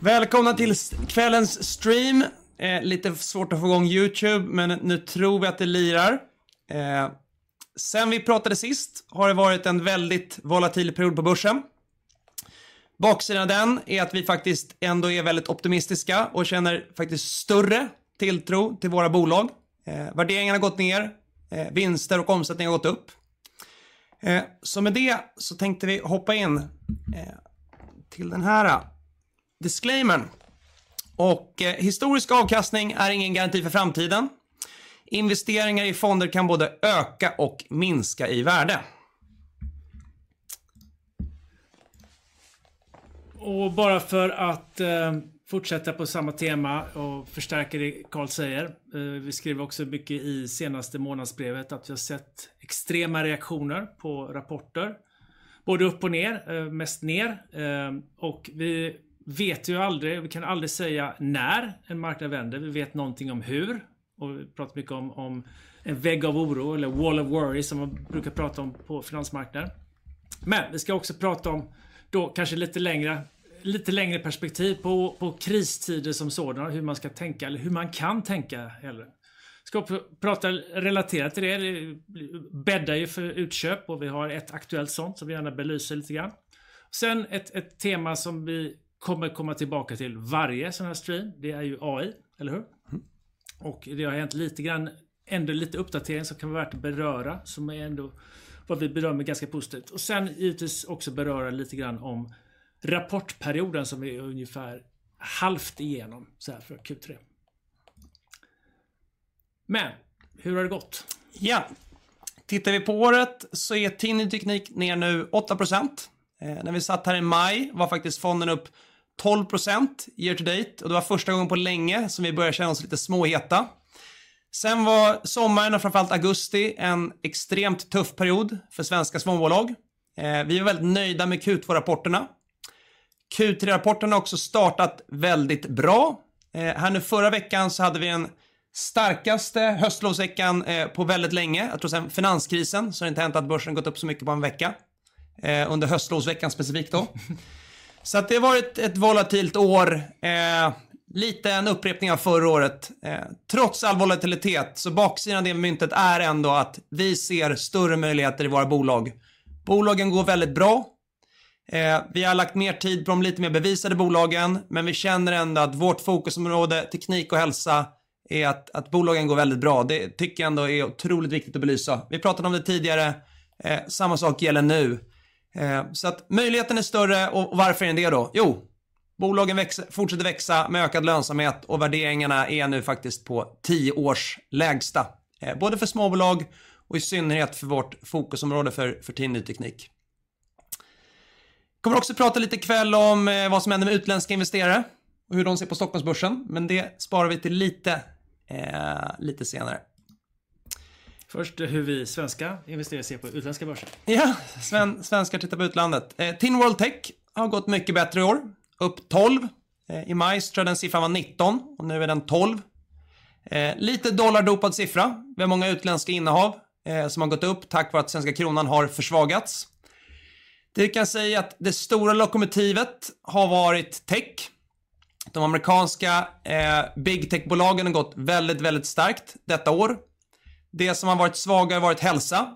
Välkomna till kvällens stream. Lite svårt att få igång YouTube, men nu tror vi att det lirar. Sedan vi pratade sist har det varit en väldigt volatil period på börsen. Baksidan av den är att vi faktiskt ändå är väldigt optimistiska och känner faktiskt större tilltro till våra bolag. Värderingarna har gått ner, vinster och omsättning har gått upp. Så med det så tänkte vi hoppa in till den här disclaimern. Historisk avkastning är ingen garanti för framtiden. Investeringar i fonder kan både öka och minska i värde. Och bara för att fortsätta på samma tema och förstärka det Carl säger. Vi skrev också mycket i senaste månadsbrevet att vi har sett extrema reaktioner på rapporter, både upp och ner, mest ner. Och vi vet ju aldrig, vi kan aldrig säga när en marknad vänder. Vi vet någonting om hur, och vi pratar mycket om en vägg av oro eller wall of worry, som man brukar prata om på finansmarknad. Men vi ska också prata om då kanske lite längre, lite längre perspektiv på kristider som sådana, och hur man ska tänka eller hur man kan tänka hellre. Vi ska prata relaterat till det. Det bäddar ju för utköp och vi har ett aktuellt sådant som vi gärna belyser lite grann. Sen ett tema som vi kommer att komma tillbaka till varje sådan här stream, det är ju AI, eller hur? Mm. Och det har hänt lite grann, ändå lite uppdatering som kan vara värt att beröra, som är ändå vad vi bedömer ganska positivt. Och sen givetvis också beröra lite grann om rapportperioden som vi är ungefär halvt igenom, såhär för Q3. Men hur har det gått? Ja, tittar vi på året så är fonden ny teknik ner nu 8%. När vi satt här i maj var faktiskt fonden upp 12% year to date, och det var första gången på länge som vi började känna oss lite småheta. Sen var sommaren och framför allt augusti, en extremt tuff period för svenska småbolag. Vi är väldigt nöjda med Q2-rapporterna. Q3-rapporterna har också startat väldigt bra. Här nu förra veckan så hade vi den starkaste höstlådsveckan på väldigt länge. Jag tror sedan finanskrisen, så har det inte hänt att börsen gått upp så mycket på en vecka, under höstlådsveckan specifikt då. Det har varit ett volatilt år. Lite en upprepning av förra året. Trots all volatilitet, så baksidan av det myntet är ändå att vi ser större möjligheter i våra bolag. Bolagen går väldigt bra. Vi har lagt mer tid på de lite mer bevisade bolagen, men vi känner ändå att vårt fokusområde, teknik och hälsa, är att bolagen går väldigt bra. Det tycker jag ändå är otroligt viktigt att belysa. Vi pratade om det tidigare, samma sak gäller nu. Så att möjligheten är större och varför är det det då? Jo, bolagen växer, fortsätter växa med ökad lönsamhet och värderingarna är nu faktiskt på tio års lägsta. Både för småbolag och i synnerhet för vårt fokusområde för ny teknik. Vi kommer också prata lite i kväll om vad som händer med utländska investerare och hur de ser på Stockholmsbörsen, men det sparar vi till lite senare. Först hur vi svenska investerare ser på utländska börser. Ja, svenskar tittar på utlandet. Tin World Tech har gått mycket bättre i år. Upp 12%, i maj tror jag den siffran var 19% och nu är den 12%. Lite dollardopad siffra. Vi har många utländska innehav som har gått upp tack vare att svenska kronan har försvagats. Det kan jag säga att det stora lokomotivet har varit tech. De amerikanska big tech-bolagen har gått väldigt, väldigt starkt detta år. Det som har varit svagare har varit hälsa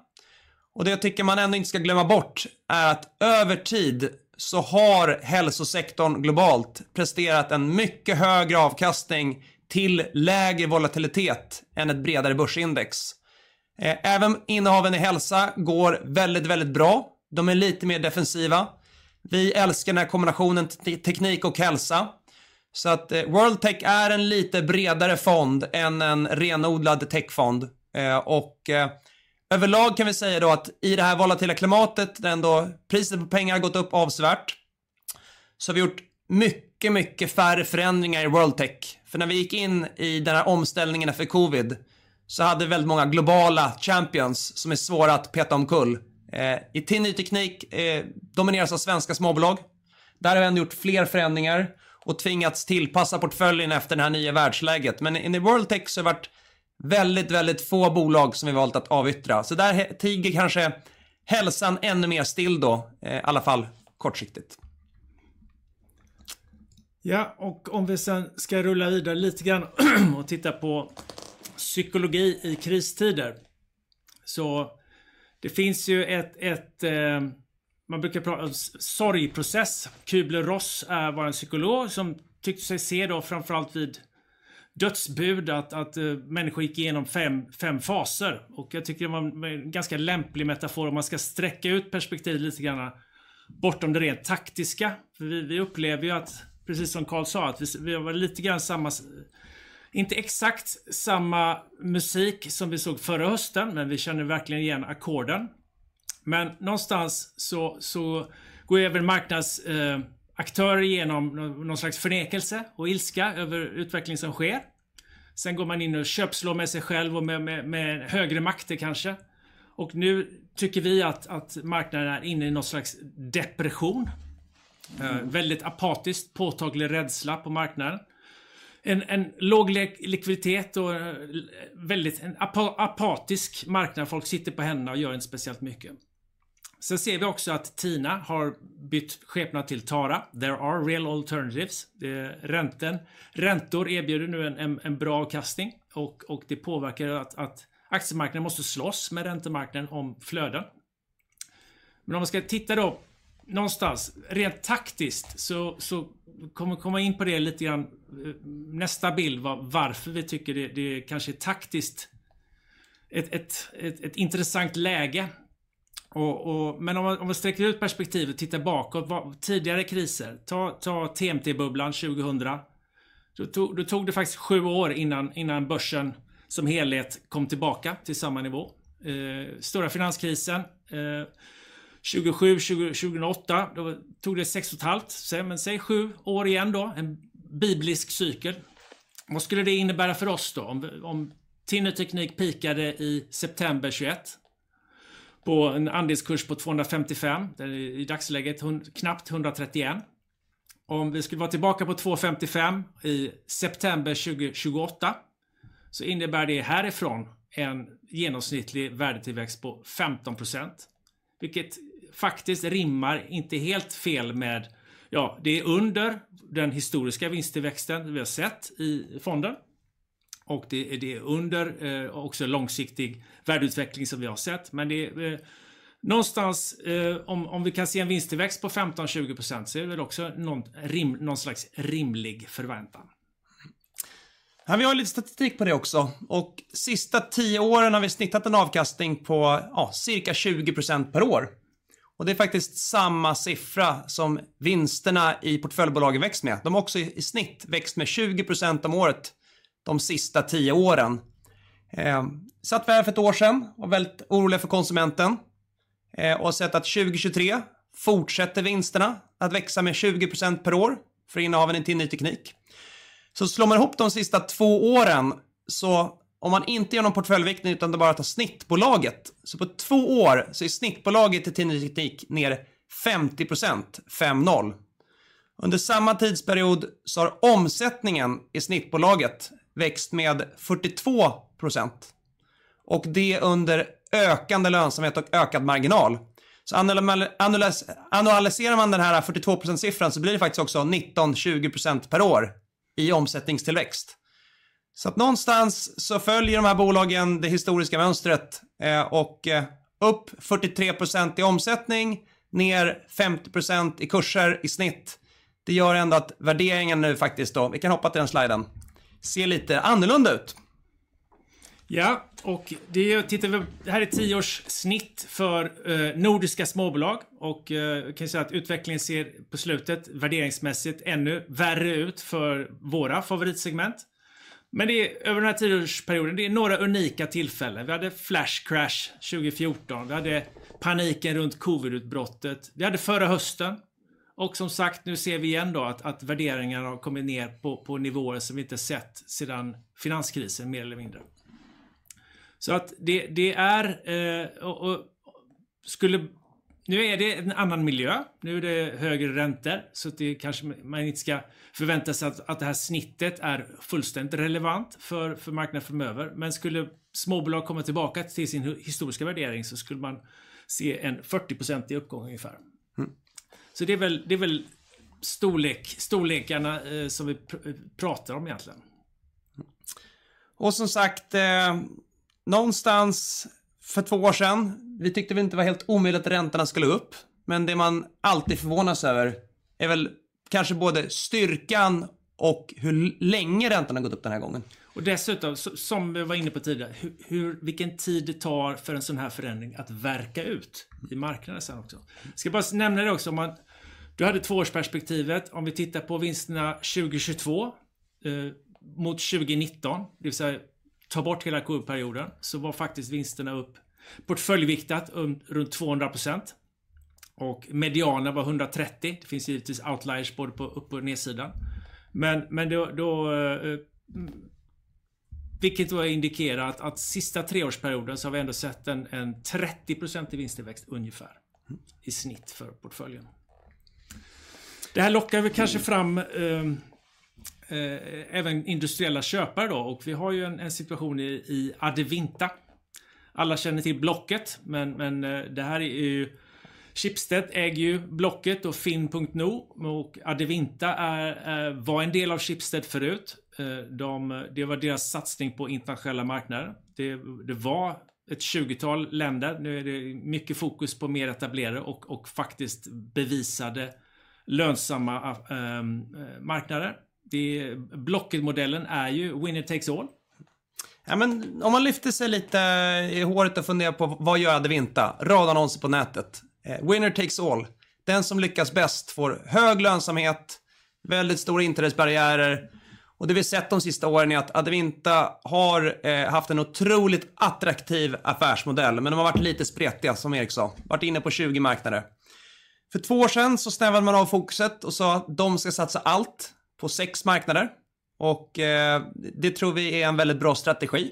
och det tycker jag man ändå inte ska glömma bort är att över tid så har hälsosektorn globalt presterat en mycket högre avkastning till lägre volatilitet än ett bredare börsindex. Även innehaven i hälsa går väldigt, väldigt bra. De är lite mer defensiva. Vi älskar den här kombinationen teknik och hälsa. Så att World Tech är en lite bredare fond än en renodlad techfond. Och överlag kan vi säga då att i det här volatila klimatet, det är ändå priset på pengar har gått upp avsevärt, så har vi gjort mycket, mycket färre förändringar i World Tech. För när vi gick in i den här omställningen för Covid, så hade väldigt många globala champions som är svåra att peta omkull. I ny teknik domineras av svenska småbolag. Där har vi ändå gjort fler förändringar och tvingats tillpassa portföljen efter det här nya världsläget. Men in i World Tech så har det varit väldigt, väldigt få bolag som vi valt att avyttra. Så där tiger kanske hälsan ännu mer still då, i alla fall kortsiktigt. Ja, och om vi sedan ska rulla vidare lite grann och titta på psykologi i kristider. Det finns ju ett... Man brukar prata om sorgprocess. Kubler Ross är vår psykolog som tyckte sig se då, framför allt vid dödsbud, att människor gick igenom fem faser och jag tycker det var en ganska lämplig metafor om man ska sträcka ut perspektivet lite grann bortom det rent taktiska. För vi upplever ju att, precis som Carl sa, att vi har varit lite grann samma, inte exakt samma musik som vi såg förra hösten, men vi känner verkligen igen ackorden. Men någonstans så går ju även marknadsaktörer igenom någon slags förnekelse och ilska över utvecklingen som sker. Sen går man in och köpslår med sig själv och med högre makter kanske. Och nu tycker vi att marknaden är inne i någon slags depression. Väldigt apatiskt, påtaglig rädsla på marknaden. En låg likviditet och väldigt apatisk marknad. Folk sitter på händerna och gör inte speciellt mycket. Sen ser vi också att TINA har bytt skepnad till TARA. There Are Real Alternatives. Det är räntan. Räntor erbjuder nu en bra avkastning och det påverkar att aktiemarknaden måste slåss med räntemarknaden om flöden. Men om man ska titta då någonstans, rent taktiskt så kommer vi komma in på det lite grann. Nästa bild var varför vi tycker det kanske är taktiskt ett intressant läge. Men om man sträcker ut perspektivet och tittar bakåt, vad tidigare kriser. Ta TMT-bubblan 2000. Då tog det faktiskt sju år innan börsen som helhet kom tillbaka till samma nivå. Stora finanskrisen 2008, då tog det sex och ett halvt, men säg sju år igen då, en biblisk cykel. Vad skulle det innebära för oss då? Om Tinne Teknik peakade i september 2021 på en andelskurs på 255 kronor. Det är i dagsläget knappt 131 kronor. Om vi skulle vara tillbaka på 255 kronor i september 2028, så innebär det härifrån en genomsnittlig värdetillväxt på 15%, vilket faktiskt rimmar inte helt fel med... Ja, det är under den historiska vinsttillväxten vi har sett i fonden och det är under också långsiktig värdeutveckling som vi har sett. Men någonstans, om vi kan se en vinsttillväxt på 15%, 20%, så är det väl också någon rimlig förväntan. Ja, vi har lite statistik på det också. Och sista tio åren har vi snittat en avkastning på ja, cirka 20% per år. Och det är faktiskt samma siffra som vinsterna i portföljbolagen växt med. De har också i snitt växt med 20% om året, de sista tio åren. Satt vi här för ett år sedan och var väldigt oroliga för konsumenten, och sett att 2023 fortsätter vinsterna att växa med 20% per år för innehaven i Tinne Teknik. Så slår man ihop de sista två åren, så om man inte gör någon portföljvikning, utan bara tar snittbolaget, så på två år så är snittbolaget i Tinne Teknik ner 50%. Under samma tidsperiod så har omsättningen i snittbolaget växt med 42% och det under ökande lönsamhet och ökad marginal. Så annualiserar man den här 42%siffran så blir det faktiskt också 19%, 20% per år i omsättningstillväxt. Någonstans så följer de här bolagen det historiska mönstret och upp 43% i omsättning, ner 50% i kurser i snitt. Det gör ändå att värderingen nu faktiskt då, vi kan hoppa till den sliden, ser lite annorlunda ut. Ja, och det, tittar vi... Det här är ett tioårssnitt för nordiska småbolag och vi kan säga att utvecklingen ser på slutet, värderingsmässigt, ännu värre ut för våra favoritsegment. Men det, över den här tioårsperioden, det är några unika tillfällen. Vi hade flash crash 2014, vi hade paniken runt covidutbrottet, vi hade förra hösten och som sagt, nu ser vi igen då att värderingarna har kommit ner på nivåer som vi inte sett sedan finanskrisen, mer eller mindre. Så att det, det är, och skulle... Nu är det en annan miljö, nu är det högre räntor, så att det kanske man inte ska förvänta sig att det här snittet är fullständigt relevant för marknaden framöver. Men skulle småbolag komma tillbaka till sin historiska värdering så skulle man se en 40% uppgång ungefär. Mm. Så det är väl, det är väl storlek, storlekarna, som vi pratar om egentligen. Och som sagt, någonstans för två år sedan, vi tyckte inte det var helt omöjligt att räntorna skulle upp, men det man alltid förvånas över är väl kanske både styrkan och hur länge räntan har gått upp den här gången. Och dessutom, som vi var inne på tidigare, hur, vilken tid det tar för en sådan här förändring att verka ut i marknaden sedan också. Ska bara nämna det också, om man, du hade tvåårsperspektivet. Om vi tittar på vinsterna 2022, mot 2019, det vill säga ta bort hela covid-perioden, så var faktiskt vinsterna upp portföljviktat runt 200% och medianen var 130%. Det finns givetvis outliers både på upp och nedsidan. Men då, vilket då indikerar att sista treårsperioden så har vi ändå sett en 30% vinsttillväxt ungefär. Mm I snitt för portföljen. Det här lockar väl kanske fram även industriella köpare då, och vi har ju en situation i Adevinta. Alla känner till Blocket, men det här är ju Schibsted äger ju Blocket och Finn.no, och Adevinta är, var en del av Schibsted förut. De, det var deras satsning på internationella marknader. Det var ett tjugotal länder. Nu är det mycket fokus på mer etablerade och faktiskt bevisade lönsamma marknader. Blocket-modellen är ju winner takes all. Ja, men om man lyfter sig lite i håret och funderar på: Vad gör Adevinta? Radannonser på nätet. Winner takes all. Den som lyckas bäst får hög lönsamhet, väldigt stora intressebarriärer. Och det vi sett de sista åren är att Adevinta har haft en otroligt attraktiv affärsmodell, men de har varit lite spretiga, som Erik sa. Varit inne på tjugo marknader. För två år sedan så snävade man av fokuset och sa: De ska satsa allt på sex marknader och det tror vi är en väldigt bra strategi.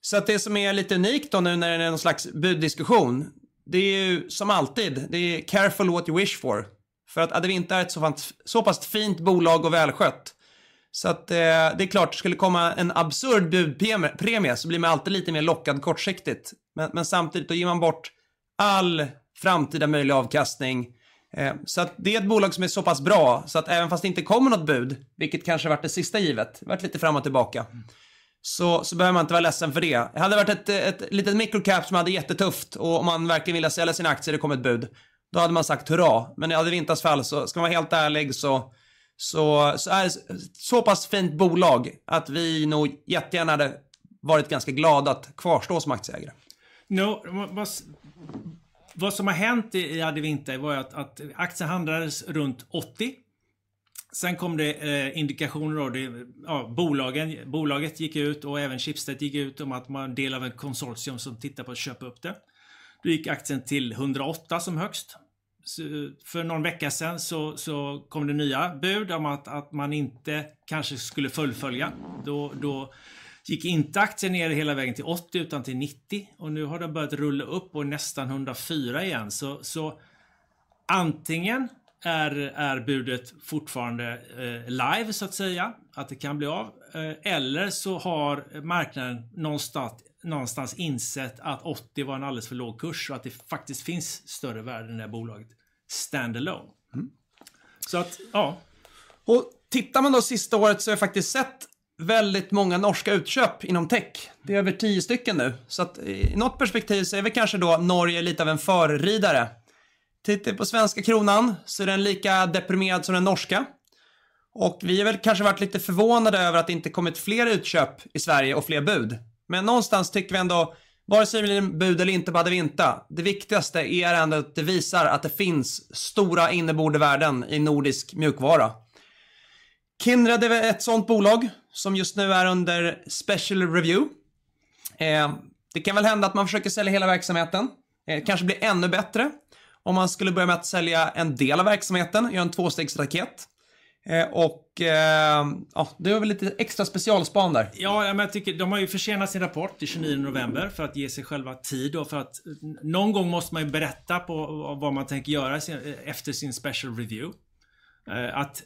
Så att det som är lite unikt då nu när det är någon slags buddiskussion, det är ju som alltid, det är careful what you wish for. För att det inte är ett så pass fint bolag och välskött. Så att det, det är klart, skulle komma en absurd budpremie, så blir man alltid lite mer lockad kortsiktigt. Men samtidigt då ger man bort all framtida möjlig avkastning. Så att det är ett bolag som är så pass bra, så att även fast det inte kommer något bud, vilket kanske varit det sista givet, varit lite fram och tillbaka, så behöver man inte vara ledsen för det. Hade det varit ett litet micro cap som hade jättetufft och om man verkligen ville sälja sin aktie, det kom ett bud, då hade man sagt hurra. Men i Advinas fall, så ska man vara helt ärlig, så är det så pass fint bolag att vi nog jättegärna hade varit ganska glada att kvarstå som aktieägare. Nu, vad som har hänt i Advinte var ju att aktien handlades runt åttio. Sen kom det indikationer och bolaget gick ut och även Schibsted gick ut om att man är en del av ett konsortium som tittar på att köpa upp det. Då gick aktien till hundraåtta som högst. För någon vecka sedan så kom det nya bud om att man inte kanske skulle fullfölja. Då gick inte aktien ner hela vägen till åttio, utan till nittio och nu har den börjat rulla upp och är nästan hundrafyra igen. Så antingen är budet fortfarande live, så att säga, att det kan bli av, eller så har marknaden någonstans insett att åttio var en alldeles för låg kurs och att det faktiskt finns större värde i det här bolaget, stand alone. Mm. Så att, ja. Och tittar man då sista året så har jag faktiskt sett väldigt många norska utköp inom tech. Det är över tio stycken nu. Så att i något perspektiv så är väl kanske då Norge lite av en förryttare. Tittar vi på svenska kronan så är den lika deprimerad som den norska. Och vi har väl kanske varit lite förvånade över att det inte kommit fler utköp i Sverige och fler bud. Men någonstans tycker vi ändå, vare sig det blir bud eller inte på Advinta, det viktigaste är ändå att det visar att det finns stora inneboende värden i nordisk mjukvara. Kindred är väl ett sådant bolag som just nu är under special review. Det kan väl hända att man försöker sälja hela verksamheten. Kanske blir ännu bättre om man skulle börja med att sälja en del av verksamheten, göra en tvåstegsraket. Och, ja, det har vi lite extra specialspan där. Ja, jag tycker de har ju försenat sin rapport till tjugonionde november för att ge sig själva tid och för att någon gång måste man ju berätta vad man tänker göra efter sin special review.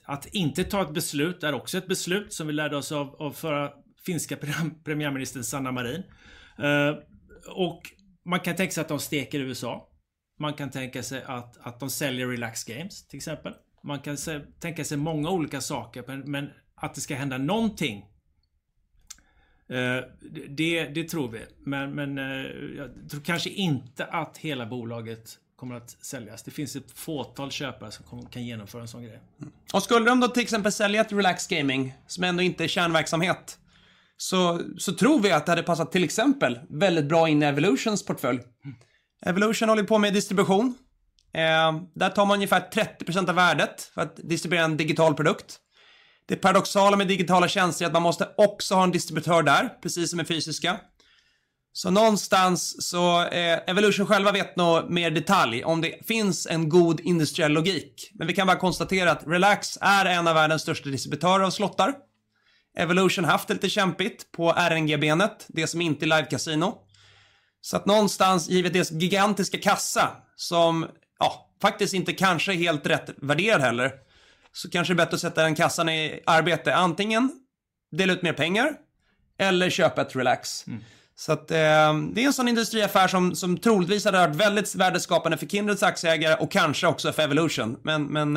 Att inte ta ett beslut är också ett beslut som vi lärde oss av förra finska premiärministern Sanna Marin. Man kan tänka sig att de steker USA. Man kan tänka sig att de säljer Relax Games, till exempel. Man kan tänka sig många olika saker, men att det ska hända någonting, det tror vi. Men jag tror kanske inte att hela bolaget kommer att säljas. Det finns ett fåtal köpare som kan genomföra en sådan grej. Och skulle de då till exempel sälja ett Relax Gaming, som ändå inte är kärnverksamhet, så tror vi att det hade passat till exempel väldigt bra in i Evolutions portfölj. Evolution håller ju på med distribution. Där tar man ungefär 30% av värdet för att distribuera en digital produkt. Det paradoxala med digitala tjänster är att man måste också ha en distributör där, precis som med fysiska. Så någonstans så Evolution själva vet nog mer detalj om det finns en god industriell logik. Men vi kan bara konstatera att Relax är en av världens största distributörer av slottar. Evolution haft lite kämpigt på RNG-benet, det som inte är live casino. Så att någonstans, givet deras gigantiska kassa, som faktiskt inte kanske är helt rätt värderad heller, så kanske det är bättre att sätta den kassan i arbete. Antingen dela ut mer pengar eller köpa ett Relax. Det är en sådan industriaffär som troligtvis hade varit väldigt värdeskapande för Kindreds aktieägare och kanske också för Evolution. Men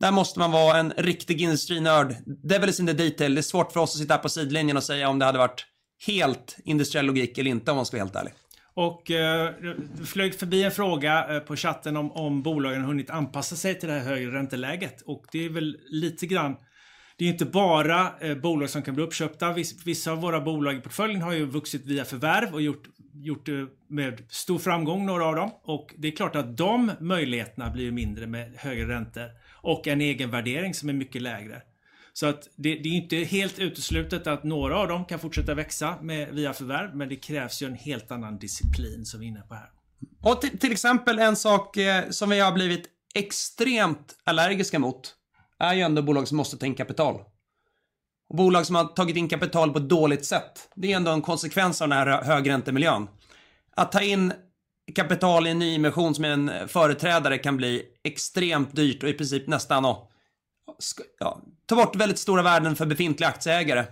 där måste man vara en riktig industrinörd. Det är väldigt in the detail. Det är svårt för oss att sitta här på sidlinjen och säga om det hade varit helt industriell logik eller inte, om man ska vara helt ärlig. Och, det flög förbi en fråga på chatten om bolagen hunnit anpassa sig till det här högre ränteläget. Det är väl lite grann, det är inte bara bolag som kan bli uppköpta. Vissa av våra bolag i portföljen har ju vuxit via förvärv och gjort det med stor framgång, några av dem. Det är klart att de möjligheterna blir ju mindre med högre räntor och en egenvärdering som är mycket lägre. Det är inte helt uteslutet att några av dem kan fortsätta växa via förvärv, men det krävs ju en helt annan disciplin som vi är inne på här. Och till, till exempel, en sak som vi har blivit extremt allergiska mot är ju ändå bolag som måste ta in kapital. Bolag som har tagit in kapital på ett dåligt sätt, det är ändå en konsekvens av den här högräntemiljön. Att ta in kapital i en ny emission som är en företrädare kan bli extremt dyrt och i princip nästan, ja, ta bort väldigt stora värden för befintliga aktieägare.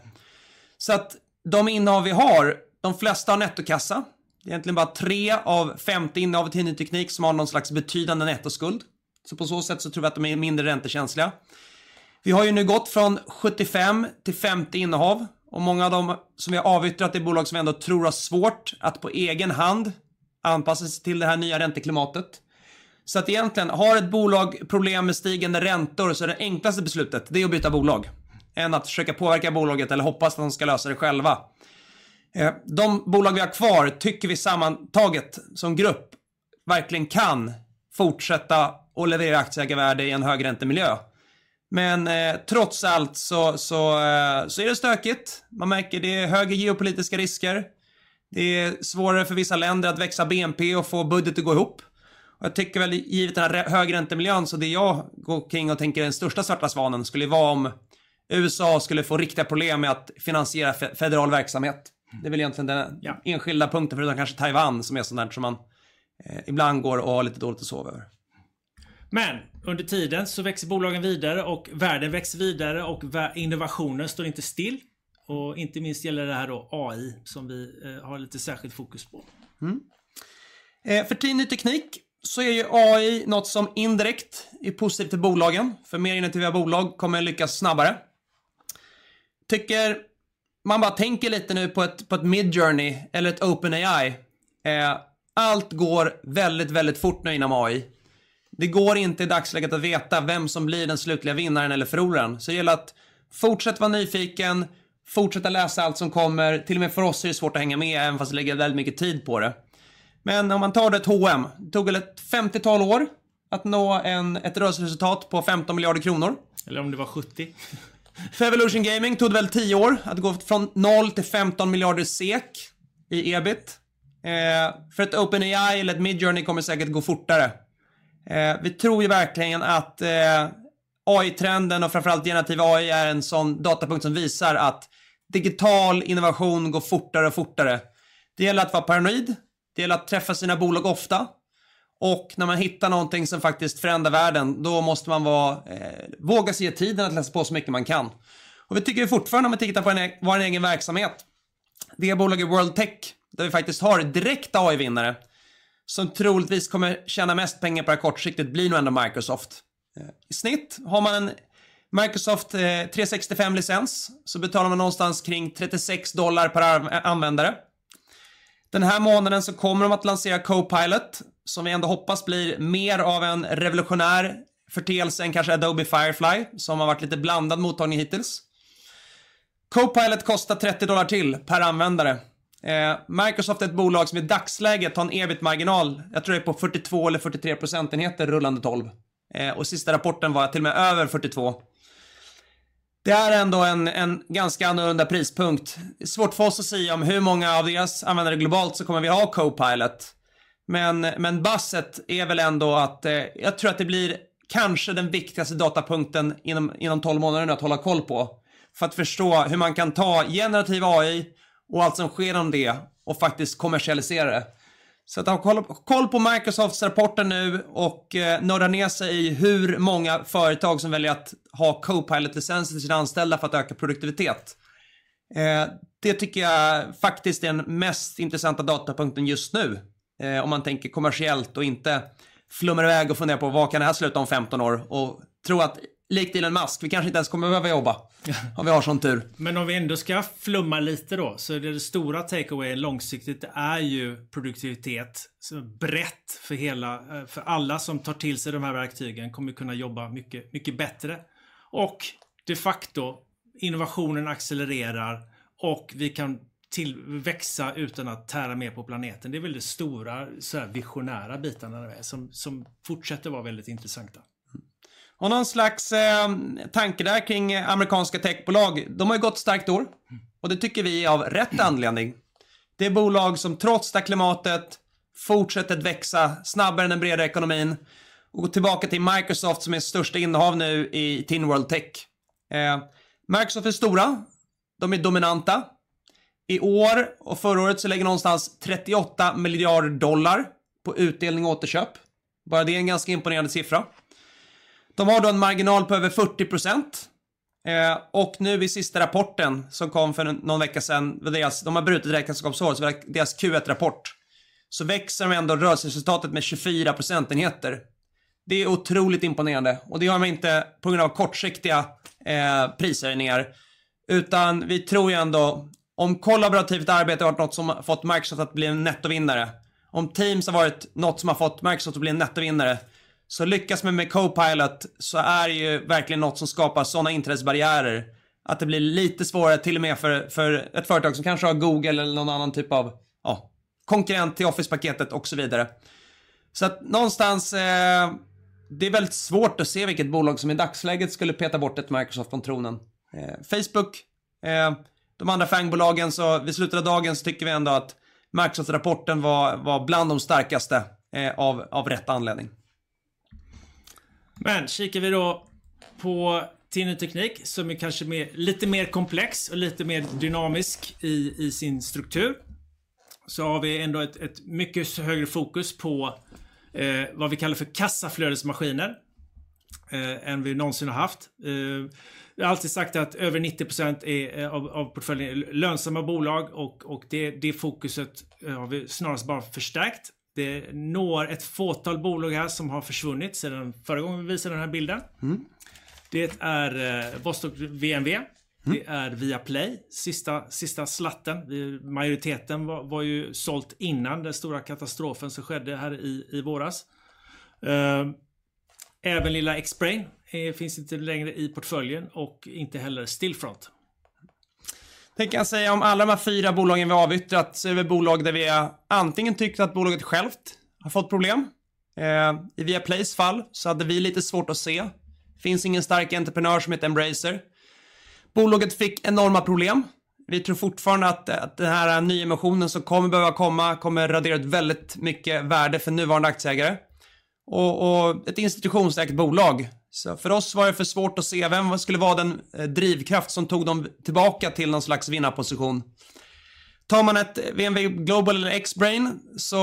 Så att de innehav vi har, de flesta har nettokassa. Det är egentligen bara tre av femtio innehav i ny teknik som har någon slags betydande nettoskuld. Så på så sätt tror jag att de är mindre räntekänsliga. Vi har ju nu gått från sjuttiofem till femtio innehav och många av dem som vi har avyttrat är bolag som vi ändå tror har svårt att på egen hand anpassa sig till det här nya ränteklimatet. Så att egentligen, har ett bolag problem med stigande räntor, så är det enklaste beslutet att byta bolag än att försöka påverka bolaget eller hoppas att de ska lösa det själva. De bolag vi har kvar tycker vi sammantaget som grupp verkligen kan fortsätta och leverera aktieägarevärde i en högräntemiljö. Men trots allt så är det stökigt. Man märker det är högre geopolitiska risker. Det är svårare för vissa länder att växa BNP och få budgeten att gå ihop. Jag tycker väl givet den här högräntemiljön, det jag går omkring och tänker den största svarta svanen skulle vara om USA skulle få riktiga problem med att finansiera federal verksamhet. Det är väl egentligen den enskilda punkten, förutom kanske Taiwan, som är sådant som man ibland går och har lite dåligt att sova över. Men under tiden så växer bolagen vidare och värden växer vidare och innovationen står inte still. Och inte minst gäller det här då AI, som vi har lite särskilt fokus på. För Tinny Teknik så är ju AI något som indirekt är positivt för bolagen, för mer innovativa bolag kommer att lyckas snabbare. Tycker, man bara tänker lite nu på ett Midjourney eller ett OpenAI, allt går väldigt, väldigt fort nu inom AI. Det går inte i dagsläget att veta vem som blir den slutliga vinnaren eller förloraren. Så det gäller att fortsätta vara nyfiken, fortsätta läsa allt som kommer. Till och med för oss är det svårt att hänga med, även fast vi lägger väldigt mycket tid på det. Men om man tar ett H&M, det tog väl ett femtiotal år att nå ett rörelseresultat på 15 miljarder kronor. Eller om det var sjuttio? För Evolution Gaming tog det väl tio år att gå från noll till femton miljarder SEK i EBIT. För ett OpenAI eller ett Midjourney kommer det säkert gå fortare. Vi tror ju verkligen att AI-trenden och framför allt generativ AI är en sådan datapunkt som visar att digital innovation går fortare och fortare. Det gäller att vara paranoid, det gäller att träffa sina bolag ofta och när man hittar någonting som faktiskt förändrar världen, då måste man våga sig ge tiden att läsa på så mycket man kan. Vi tycker ju fortfarande, om vi tittar på vår egen verksamhet, det bolag är World Tech, där vi faktiskt har en direkt AI-vinnare som troligtvis kommer tjäna mest pengar på det kortsiktigt, blir nog ändå Microsoft. I snitt har man Microsoft 365-licens, så betalar man någonstans kring $36 per användare. Den här månaden kommer de att lansera Copilot, som vi ändå hoppas blir mer av en revolutionär företeelse än kanske Adobe Firefly, som har varit lite blandad mottagning hittills. Copilot kostar $30 till per användare. Microsoft är ett bolag som i dagsläget har en EBIT-marginal, jag tror det är på 42% eller 43% rullande tolv. Sista rapporten var till och med över 42%. Det är ändå en ganska annorlunda prispunkt. Svårt för oss att säga om hur många av deras användare globalt kommer vi att ha Copilot. Men baset är väl ändå att jag tror att det blir kanske den viktigaste datapunkten inom tolv månader att hålla koll på, för att förstå hur man kan ta generativ AI och allt som sker om det och faktiskt kommersialisera det. Så att ha koll på Microsofts rapporter nu och nörda ner sig i hur många företag som väljer att ha Copilot-licenser till sina anställda för att öka produktivitet. Det tycker jag faktiskt är den mest intressanta datapunkten just nu. Om man tänker kommersiellt och inte flummar i väg och funderar på: Vad kan det här sluta om femton år? Och tro att, likt Elon Musk, vi kanske inte ens kommer behöva jobba, om vi har sådan tur. Men om vi ändå ska flumma lite då, så är det det stora takeaway långsiktigt, det är ju produktivitet. Så brett för hela, för alla som tar till sig de här verktygen kommer att kunna jobba mycket, mycket bättre. Och de facto, innovationen accelererar och vi kan tillväxa utan att tära mer på planeten. Det är väl det stora, så här, visionära bitarna som fortsätter vara väldigt intressanta. Och någon slags tanke därkring amerikanska techbolag. De har ju gått starkt i år och det tycker vi är av rätt anledning. Det är bolag som trots det klimatet fortsätter att växa snabbare än den breda ekonomin. Och tillbaka till Microsoft, som är största innehav nu i Tin World Tech. Microsoft är stora, de är dominanta. I år och förra året så lägger någonstans $38 miljarder på utdelning och återköp. Bara det är en ganska imponerande siffra. De har då en marginal på över 40%. Och nu i sista rapporten som kom för någon vecka sedan, det är deras - de har brutit räkenskapsåret, så deras Q1-rapport, så växer ändå rörelseresultatet med 24%. Det är otroligt imponerande och det gör man inte på grund av kortsiktiga prishöjningar, utan vi tror ju ändå, om kollaborativt arbete har varit något som har fått Microsoft att bli en nettovinnare, om Teams har varit något som har fått Microsoft att bli en nettovinnare, så lyckas man med Copilot så är det ju verkligen något som skapar sådana intressebarriärer, att det blir lite svårare, till och med för ett företag som kanske har Google eller någon annan typ av konkurrent till Office-paketet och så vidare. Så att någonstans, det är väldigt svårt att se vilket bolag som i dagsläget skulle peta bort ett Microsoft från tronen. Facebook, de andra FANG-bolagen, så vid slutet av dagen så tycker vi ändå att Microsofts rapport var bland de starkaste av rätt anledning. Men kikar vi då på Tinny Teknik, som är kanske mer, lite mer komplex och lite mer dynamisk i sin struktur, så har vi ändå ett mycket högre fokus på, eh, vad vi kallar för kassaflödesmaskiner än vi någonsin har haft. Vi har alltid sagt att över 90% av portföljen är lönsamma bolag och det fokuset har vi snarast bara förstärkt. Det når ett fåtal bolag här som har försvunnit sedan förra gången vi visade den här bilden. Mm. Det är Bostock VNV, det är Via Play, sista, sista slatten. Majoriteten var ju såld innan den stora katastrofen som skedde här i våras. Även lilla Xspray finns inte längre i portföljen och inte heller Stillfront. Tänker jag säga, om alla de här fyra bolagen vi avyttrat, så är det bolag där vi antingen tyckt att bolaget självt har fått problem. I Via Plays fall så hade vi lite svårt att se. Det finns ingen stark entreprenör som hette Embracer. Bolaget fick enorma problem. Vi tror fortfarande att den här nyemissionen som kommer behöva komma, kommer radera ut väldigt mycket värde för nuvarande aktieägare. Ett institutionssäkert bolag. Så för oss var det för svårt att se vem som skulle vara den drivkraft som tog dem tillbaka till någon slags vinnarposition. Tar man ett VNV Global eller Xbrain så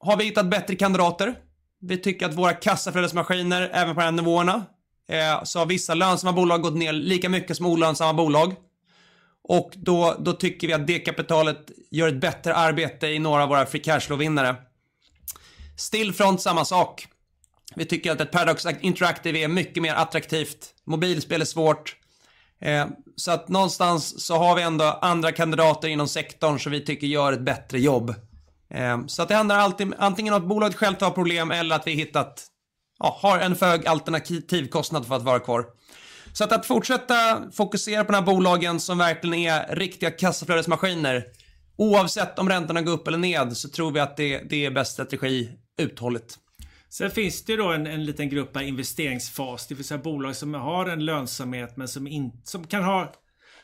har vi hittat bättre kandidater. Vi tycker att våra kassaflödesmaskiner, även på de här nivåerna, så har vissa lönsamma bolag gått ner lika mycket som olönsamma bolag. Och då tycker vi att det kapitalet gör ett bättre arbete i några av våra free cash flow-vinnare. Stillfront, samma sak. Vi tycker att ett Paradox Interactive är mycket mer attraktivt. Mobilspel är svårt. Så att någonstans så har vi ändå andra kandidater inom sektorn som vi tycker gör ett bättre jobb. Så att det händer alltid, antingen att bolaget självt har problem eller att vi hittat, ja, har en för hög alternativkostnad för att vara kvar. Så att fortsätta fokusera på de här bolagen som verkligen är riktiga kassaflödesmaskiner, oavsett om räntorna går upp eller ned, så tror vi att det är bäst strategi uthålligt. Sen finns det ju då en liten grupp av investeringsfas. Det vill säga bolag som har en lönsamhet men som inte kan ha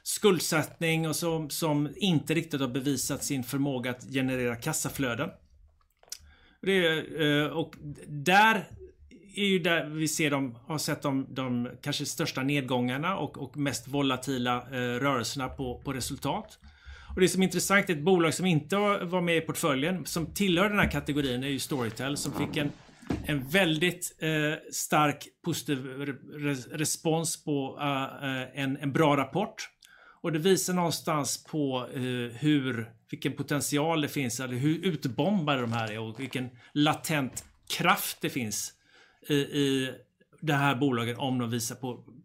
skuldsättning och som inte riktigt har bevisat sin förmåga att generera kassaflöden. Och där är ju där vi ser de, har sett de kanske största nedgångarna och mest volatila rörelserna på resultat. Och det som är intressant, ett bolag som inte var med i portföljen, som tillhör den här kategorin, är ju Storytel, som fick en väldigt stark positiv respons på en bra rapport. Och det visar någonstans på hur, vilken potential det finns eller hur utbombade de här är och vilken latent kraft det finns i det här bolaget om de visar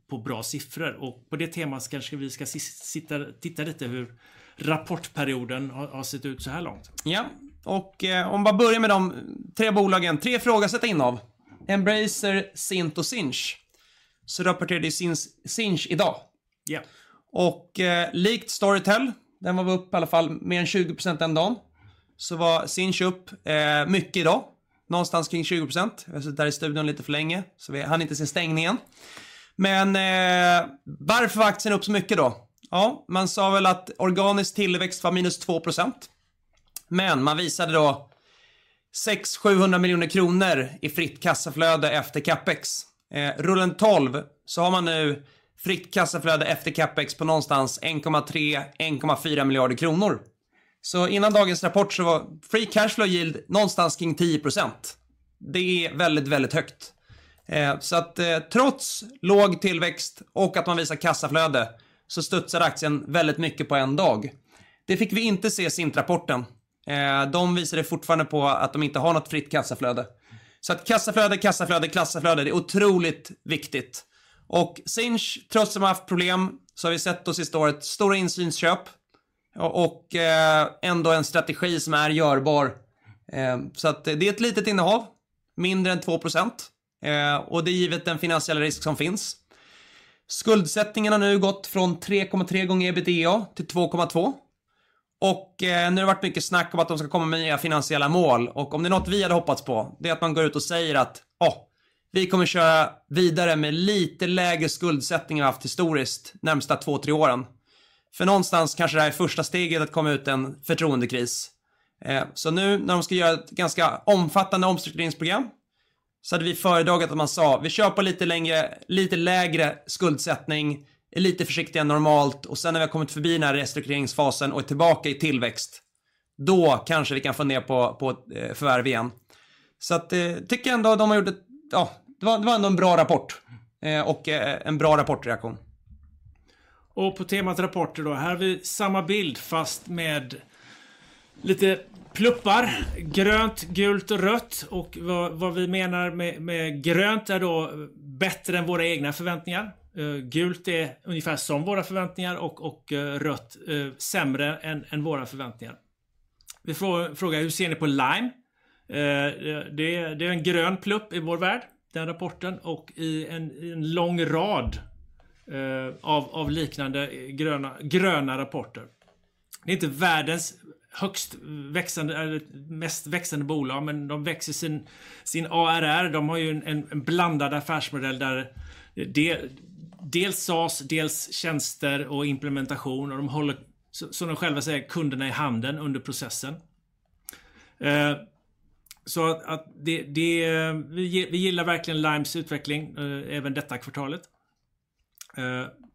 på bra siffror. Och på det temat kanske vi ska sist sitta, titta lite hur rapportperioden har sett ut såhär långt. Ja, och om vi börjar med de tre bolagen, tre frågor att sätta in av. Embracer, Sinch och Sinch. Så rapporterade ju Sinch i dag. Ja. Och likt Storytel, den var upp i alla fall mer än 20% den dagen, så var Sinch upp mycket idag. Någonstans kring 20%. Jag har suttit här i studion lite för länge, så vi hann inte se stängningen. Men varför var aktien upp så mycket då? Ja, man sa väl att organisk tillväxt var minus 2%, men man visade då 600-700 miljoner kronor i fritt kassaflöde efter Capex. Rullande tolv så har man nu fritt kassaflöde efter Capex på någonstans 1,3-1,4 miljarder kronor. Så innan dagens rapport så var free cash flow yield någonstans kring 10%. Det är väldigt, väldigt högt. Så att trots låg tillväxt och att man visar kassaflöde, så studsade aktien väldigt mycket på en dag. Det fick vi inte se i Sinch-rapporten. De visade fortfarande på att de inte har något fritt kassaflöde. Kassaflöde, kassaflöde, kassaflöde, det är otroligt viktigt. Sinch, trots att de har haft problem, så har vi sett det sista året stora insynsköp och ändå en strategi som är görbar. Det är ett litet innehav, mindre än 2%, och det är givet den finansiella risk som finns. Skuldsättningen har nu gått från 3,3 gånger EBITDA till 2,2. Nu har det varit mycket snack om att de ska komma med nya finansiella mål och om det är något vi hade hoppats på, det är att man går ut och säger att: "Vi kommer köra vidare med lite lägre skuldsättning än vi haft historiskt närmsta två, tre åren." Någonstans kanske det här är första steget att komma ut ur en förtroendekris. Så nu när de ska göra ett ganska omfattande omstruktureringsprogram, så hade vi föredragit att man sa: "Vi kör på lite länge, lite lägre skuldsättning, är lite försiktiga än normalt och sen när vi kommit förbi den här restruktureringsfasen och är tillbaka i tillväxt, då kanske vi kan få ner på, på ett förvärv igen." Så att det tycker jag ändå de har gjort ett... Ja, det var ändå en bra rapport, och en bra rapportreaktion. Och på temat rapporter då. Här har vi samma bild, fast med lite plupper, grönt, gult och rött. Och vad vi menar med grönt är då bättre än våra egna förväntningar. Gult är ungefär som våra förväntningar och rött sämre än våra förväntningar. Vi får fråga: hur ser ni på Lime? Det är en grön plupp i vår värld, den rapporten, och i en lång rad av liknande gröna rapporter. Det är inte världens högst växande eller mest växande bolag, men de växer sin ARR. De har ju en blandad affärsmodell där det dels SaaS, dels tjänster och implementation, och de håller, som de själva säger, kunderna i handen under processen. Så att det - vi gillar verkligen Limes utveckling, även detta kvartalet.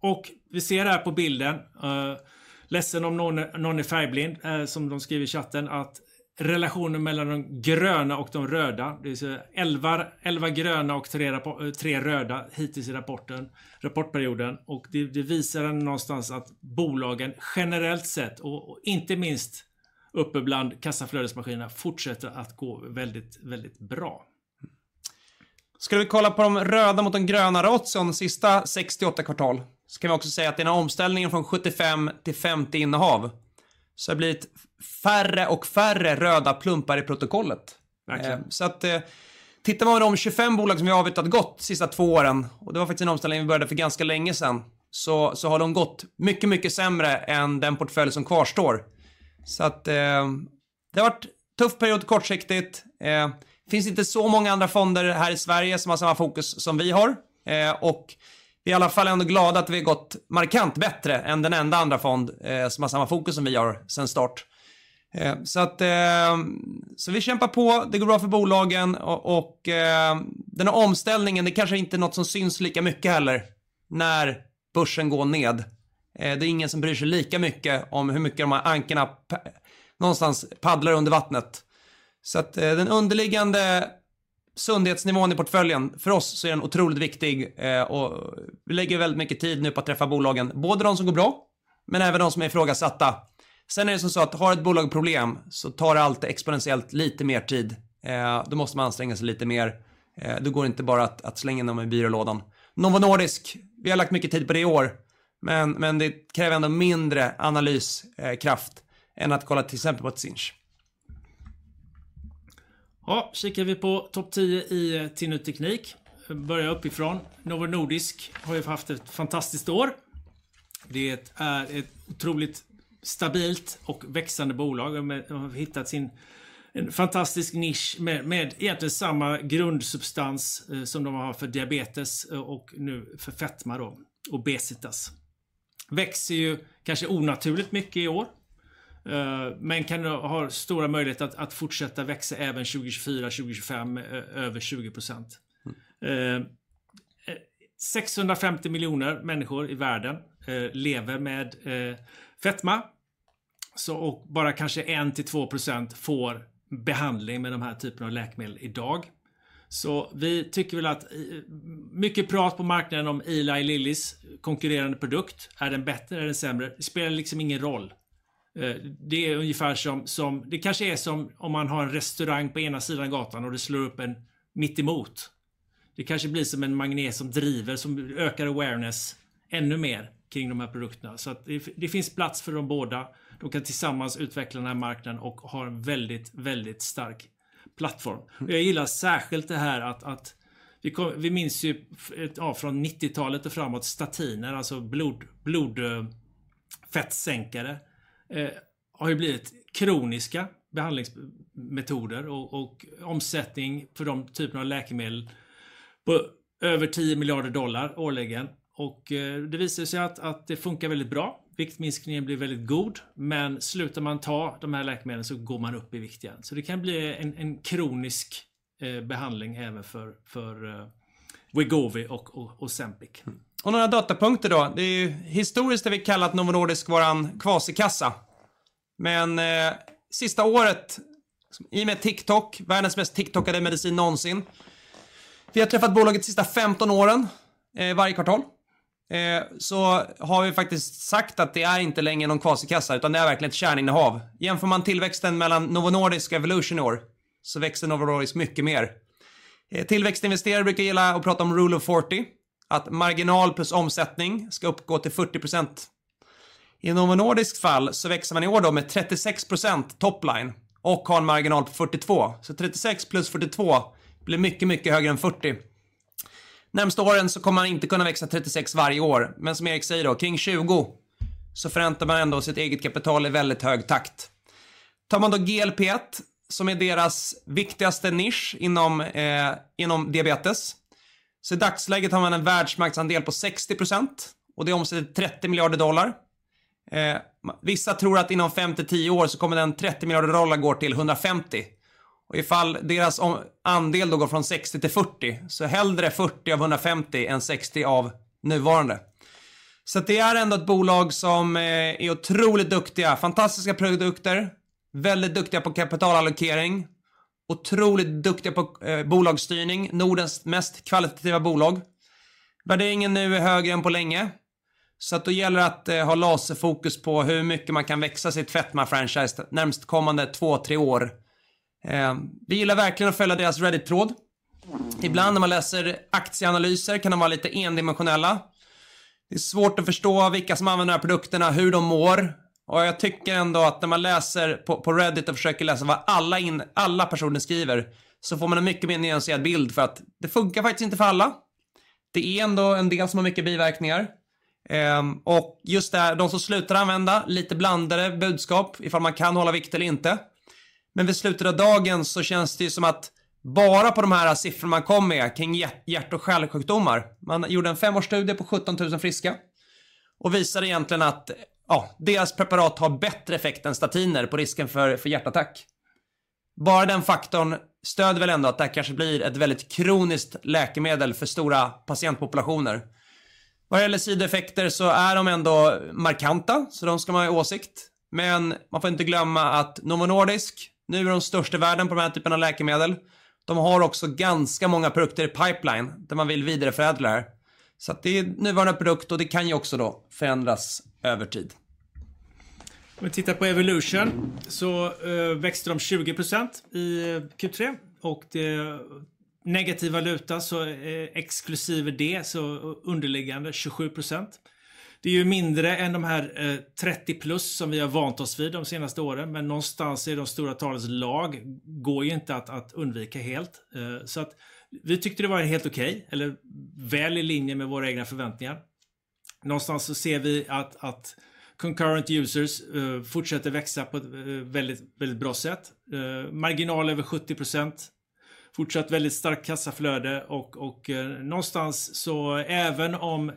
Och vi ser det här på bilden, ledsen om någon är färgblind, som de skriver i chatten, att relationen mellan de gröna och de röda, det vill säga elva gröna och tre röda hittills i rapportperioden. Och det visar någonstans att bolagen generellt sett, och inte minst uppe bland kassaflödesmaskinerna, fortsätter att gå väldigt, väldigt bra. Ska vi kolla på de röda mot den gröna ratio de sista sextioåtta kvartalen, så kan vi också säga att den här omställningen från sjuttiofem till femtio innehav, så har det blivit färre och färre röda klumpar i protokollet. Verkligen. Så att, tittar man på de tjugofem bolag som vi har avyttrat de sista två åren, och det var faktiskt en omställning vi började för ganska länge sedan, så har de gått mycket, mycket sämre än den portfölj som kvarstår. Det har varit en tuff period kortsiktigt. Det finns inte så många andra fonder här i Sverige som har samma fokus som vi har. Vi är i alla fall ändå glada att vi har gått markant bättre än den enda andra fond som har samma fokus som vi har sedan start. Vi kämpar på, det går bra för bolagen och den här omställningen, det kanske inte är något som syns lika mycket heller när börsen går ned. Det är ingen som bryr sig lika mycket om hur mycket de här ankarna paddlar under vattnet någonstans. Så att den underliggande sundhetsnivån i portföljen, för oss så är den otroligt viktig, och vi lägger väldigt mycket tid nu på att träffa bolagen. Både de som går bra, men även de som är ifrågasatta. Sen är det så att har ett bolag problem så tar det alltid exponentiellt lite mer tid. Då måste man anstränga sig lite mer. Då går det inte bara att slänga in dem i byrålådan. Novo Nordisk, vi har lagt mycket tid på det i år, men det kräver ändå mindre analyskraft än att kolla till exempel på ett Sinch. Ja, kikar vi på topp tio i Tinnew Teknik. Börjar uppifrån. Novo Nordisk har ju haft ett fantastiskt år. Det är ett otroligt stabilt och växande bolag. De har hittat sin, en fantastisk nisch med, med egentligen samma grundsubstans som de har för diabetes och nu för fetma då, och obesitas. Växer ju kanske onaturligt mycket i år, men kan ha stora möjligheter att fortsätta växa även 2024, 2025, över 20%. Sexhundrafemtio miljoner människor i världen lever med fetma. Bara kanske 1-2% får behandling med de här typerna av läkemedel idag. Vi tycker väl att, mycket prat på marknaden om Eli Lillys konkurrerande produkt. Är den bättre? Är den sämre? Det spelar liksom ingen roll. Det är ungefär som om man har en restaurang på ena sidan gatan och det slår upp en mitt emot. Det kanske blir som en magnet som driver, som ökar awareness ännu mer kring de här produkterna. Så att det finns plats för dem båda. De kan tillsammans utveckla den här marknaden och har en väldigt stark plattform. Jag gillar särskilt det här att vi kommer ihåg ju från nittiotalet och framåt statiner, alltså blodfettsänkare, har ju blivit kroniska behandlingsmetoder och omsättning för de typerna av läkemedel på över $10 miljarder årligen. Det visar sig att det funkar väldigt bra. Viktminskningen blir väldigt god, men slutar man ta de här läkemedlen så går man upp i vikt igen. Så det kan bli en kronisk behandling även för Wegovy och Ozempic. Och några datapunkter då. Det är ju historiskt det vi kallat Novo Nordisk, vår kvasikassa. Men sista året, i och med TikTok, världens mest TikTokade medicin någonsin. Vi har träffat bolaget de sista femton åren, varje kvartal, så har vi faktiskt sagt att det är inte längre någon kvasikassa, utan det är verkligen ett kärninnehav. Jämför man tillväxten mellan Novo Nordisk och Evolution i år, så växer Novo Nordisk mycket mer. Tillväxtinvesterare brukar gilla att prata om rule of forty, att marginal plus omsättning ska uppgå till 40%. I Novo Nordisks fall så växer man i år då med 36% top line och har en marginal på 42%. Så 36% plus 42% blir mycket, mycket högre än 40%. De närmaste åren så kommer man inte kunna växa 36% varje år, men som Erik säger då, kring 20%, så förrräntar man ändå sitt eget kapital i väldigt hög takt. Tar man då GLP-1, som är deras viktigaste nisch inom diabetes. I dagsläget har man en världsmarknadsandel på 60% och det omsätter $30 miljarder. Vissa tror att inom fem till tio år så kommer den $30 miljarder gå till $150 miljarder. Ifall deras andel då går från 60% till 40%, så hellre 40% av $150 miljarder än 60% av nuvarande. Det är ändå ett bolag som är otroligt duktiga, fantastiska produkter, väldigt duktiga på kapitalallokering, otroligt duktiga på bolagsstyrning, Nordens mest kvalitativa bolag. Värderingen nu är högre än på länge, så då gäller det att ha laserfokus på hur mycket man kan växa sitt fetma-franchise de närmast kommande två, tre år. Vi gillar verkligen att följa deras Reddit-tråd. Ibland när man läser aktieanalyser kan de vara lite endimensionella. Det är svårt att förstå vilka som använder de här produkterna, hur de mår. Jag tycker ändå att när man läser på Reddit och försöker läsa vad alla personer skriver, så får man en mycket mer nyanserad bild. För att det funkar faktiskt inte för alla. Det är ändå en del som har mycket biverkningar. Och just det här, de som slutar använda, lite blandade budskap ifall man kan hålla vikt eller inte. Men vid slutet av dagen så känns det ju som att bara på de här siffrorna man kom med kring hjärt- och kärlsjukdomar. Man gjorde en femårsstudie på 17,000 friska och visade egentligen att, ja, deras preparat har bättre effekt än statiner på risken för hjärtattack. Bara den faktorn stödjer väl ändå att det här kanske blir ett väldigt kroniskt läkemedel för stora patientpopulationer. Vad gäller bieffekter så är de ändå markanta, så de ska man ha i åtanke. Men man får inte glömma att Novo Nordisk nu är de största i världen på den här typen av läkemedel. De har också ganska många produkter i pipeline, där man vill vidareutveckla det här. Så att det är nuvarande produkt och det kan ju också då förändras över tid. Om vi tittar på Evolution så växte de 20% i Q3 och det, negativ valuta, så exklusive det, så underliggande 27%. Det är ju mindre än de här 30+ som vi har vant oss vid de senaste åren, men någonstans i de stora talens lag går ju inte att undvika helt. Så att vi tyckte det var helt okej eller väl i linje med våra egna förväntningar. Någonstans så ser vi att concurrent users fortsätter växa på ett väldigt, väldigt bra sätt. Marginal över 70%, fortsatt väldigt starkt kassaflöde och någonstans så även om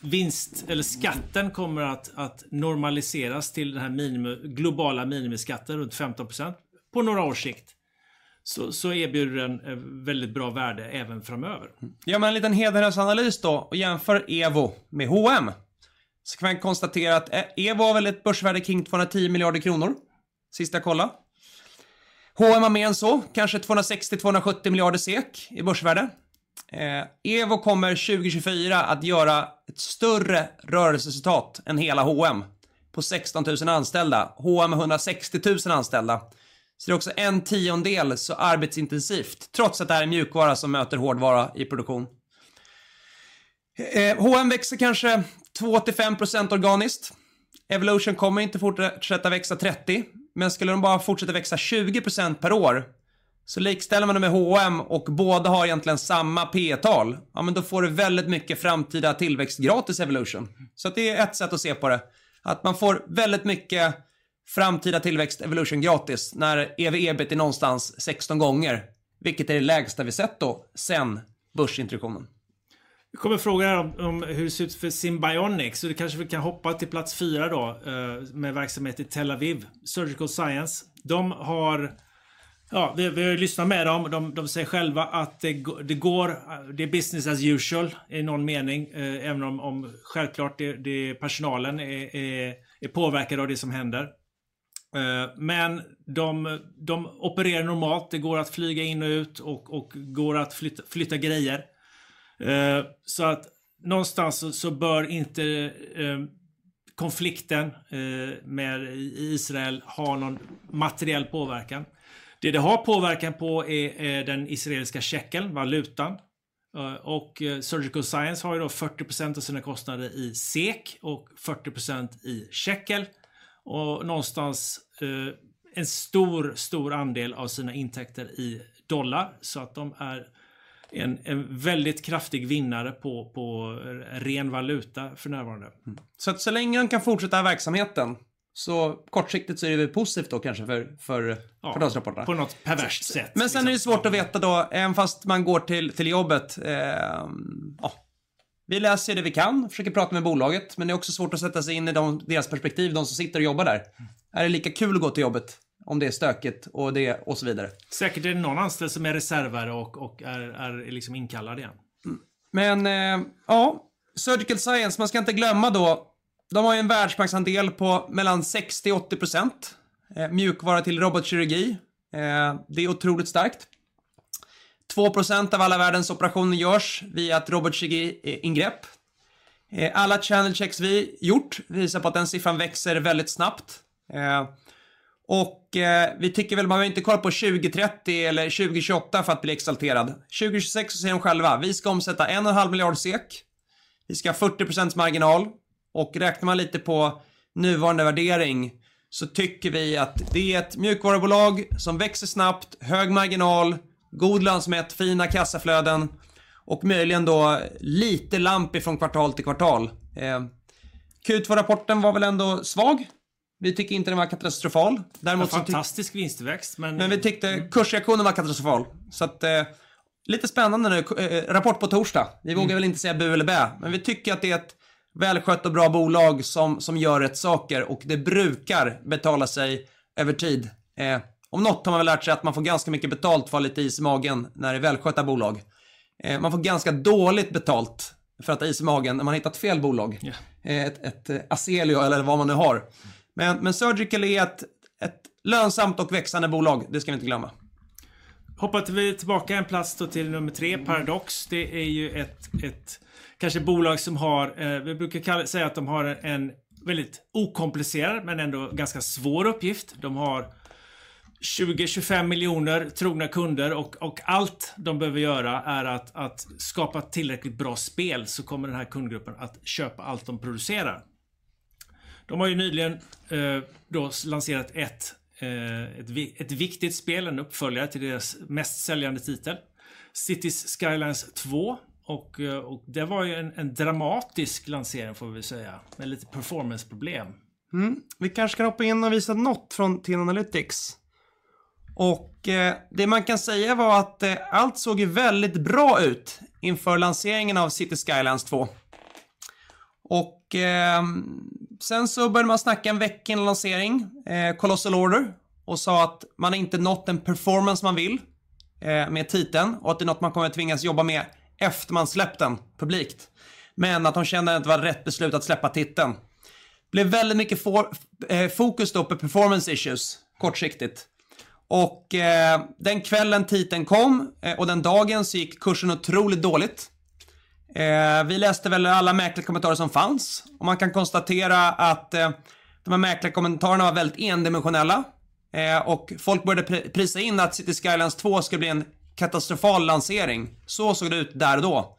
vinst eller skatten kommer att normaliseras till den här globala minimiskatten, runt 15% på några års sikt. Så erbjuder den väldigt bra värde även framöver. Gör man en liten Hedenhös-analys då och jämför Evolution med H&M, så kan man konstatera att Evolution har väl ett börsvärde kring 220 miljarder kronor, sist jag kollade. H&M har mer än så, kanske 260, 270 miljarder SEK i börsvärde. Evolution kommer 2024 att göra ett större rörelseresultat än hela H&M på 16 000 anställda. H&M har 160 000 anställda. Så det är också en tiondel, så arbetsintensivt, trots att det här är mjukvara som möter hårdvara i produktion. H&M växer kanske 2% till 5% organiskt. Evolution kommer inte fortsätta växa 30%, men skulle de bara fortsätta växa 20% per år, så likställer man dem med H&M och båda har egentligen samma P/E-tal. Ja, men då får du väldigt mycket framtida tillväxt gratis, Evolution. Det är ett sätt att se på det, att man får väldigt mycket framtida tillväxt Evolution gratis när EV/EBIT är någonstans sexton gånger, vilket är det lägsta vi sett sedan börsintroduktionen. Det kommer frågor om hur det ser ut för Symbionics, så vi kanske kan hoppa till plats fyra då med verksamhet i Tel Aviv, Surgical Science. De har, ja, vi har lyssnat med dem. De säger själva att det går, det är business as usual i någon mening, även om självklart personalen är påverkad av det som händer. Men de opererar normalt. Det går att flyga in och ut och går att flytta grejer. Så att någonstans så bör inte konflikten med i Israel ha någon materiell påverkan. Det det har påverkan på är den israeliska shekeln, valutan. Surgical Science har ju då 40% av sina kostnader i SEK och 40% i shekel och någonstans en stor andel av sina intäkter i dollar. Så att de är en väldigt kraftig vinnare på ren valuta för närvarande. Så att så länge de kan fortsätta verksamheten, så kortsiktigt så är det positivt då kanske för deras rapporter. På något perverst sätt. Men sen är det svårt att veta då, även fast man går till jobbet. Ja, vi läser det vi kan, försöker prata med bolaget, men det är också svårt att sätta sig in i deras perspektiv, de som sitter och jobbar där. Är det lika kul att gå till jobbet om det är stökigt och så vidare? Säkert är det någon anställd som är reservare och är liksom inkallad igen. Men ja, Surgical Science, man ska inte glömma då, de har ju en världsmarknadsandel på mellan 60% och 80%, mjukvara till robotkirurgi. Det är otroligt starkt. 2% av alla världens operationer görs via ett robotkirurgiingrepp. Alla channel checks vi gjort visar på att den siffran växer väldigt snabbt. Vi tycker väl, man behöver inte kolla på 2030 eller 2028 för att bli exalterad. 2026 så säger de själva: "Vi ska omsätta en och en halv miljard SEK. Vi ska ha 40% marginal." Räknar man lite på nuvarande värdering så tycker vi att det är ett mjukvarubolag som växer snabbt, hög marginal, god lönsamhet, fina kassaflöden och möjligen då lite lampigt från kvartal till kvartal. Q2-rapporten var väl ändå svag. Vi tycker inte den var katastrofal. Däremot- Fantastisk vinsttillväxt. Men vi tyckte kursreaktionen var katastrofal. Så att, lite spännande nu. Rapport på torsdag. Vi vågar väl inte säga bu eller bä, men vi tycker att det är ett välskött och bra bolag som gör rätt saker och det brukar betala sig över tid. Om något har man lärt sig att man får ganska mycket betalt för lite is i magen när det är välskötta bolag. Man får ganska dåligt betalt för att ha is i magen när man hittat fel bolag. Ja. Ett Azelio eller vad man nu har. Men Surgical är ett lönsamt och växande bolag, det ska vi inte glömma. Hoppar vi tillbaka en plats då till nummer tre, Paradox. Det är ju ett bolag som har, vi brukar säga att de har en väldigt okomplicerad men ändå ganska svår uppgift. De har tjugo, tjugofem miljoner trogna kunder och allt de behöver göra är att skapa tillräckligt bra spel så kommer den här kundgruppen att köpa allt de producerar. De har ju nyligen då lanserat ett viktigt spel, en uppföljare till deras mest säljande titel, Cities Skylines 2, och det var ju en dramatisk lansering får vi säga, med lite performance-problem. Vi kanske kan hoppa in och visa något från TN Analytics. Och det man kan säga var att allt såg ju väldigt bra ut inför lanseringen av Cities Skylines 2. Och sen så började man snacka en vecka innan lansering, Colossal Order, och sa att man har inte nått den performance man vill med titeln och att det är något man kommer att tvingas jobba med efter man släppt den publikt, men att de kände att det var rätt beslut att släppa titeln. Blev väldigt mycket fokus då på performance issues, kortsiktigt. Och den kvällen titeln kom, och den dagen, så gick kursen otroligt dåligt. Vi läste väl alla mäklarkommentarer som fanns och man kan konstatera att de här mäklarkommentarerna var väldigt endimensionella, och folk började prisa in att Cities Skylines 2 skulle bli en katastrofal lansering. Så såg det ut där och då.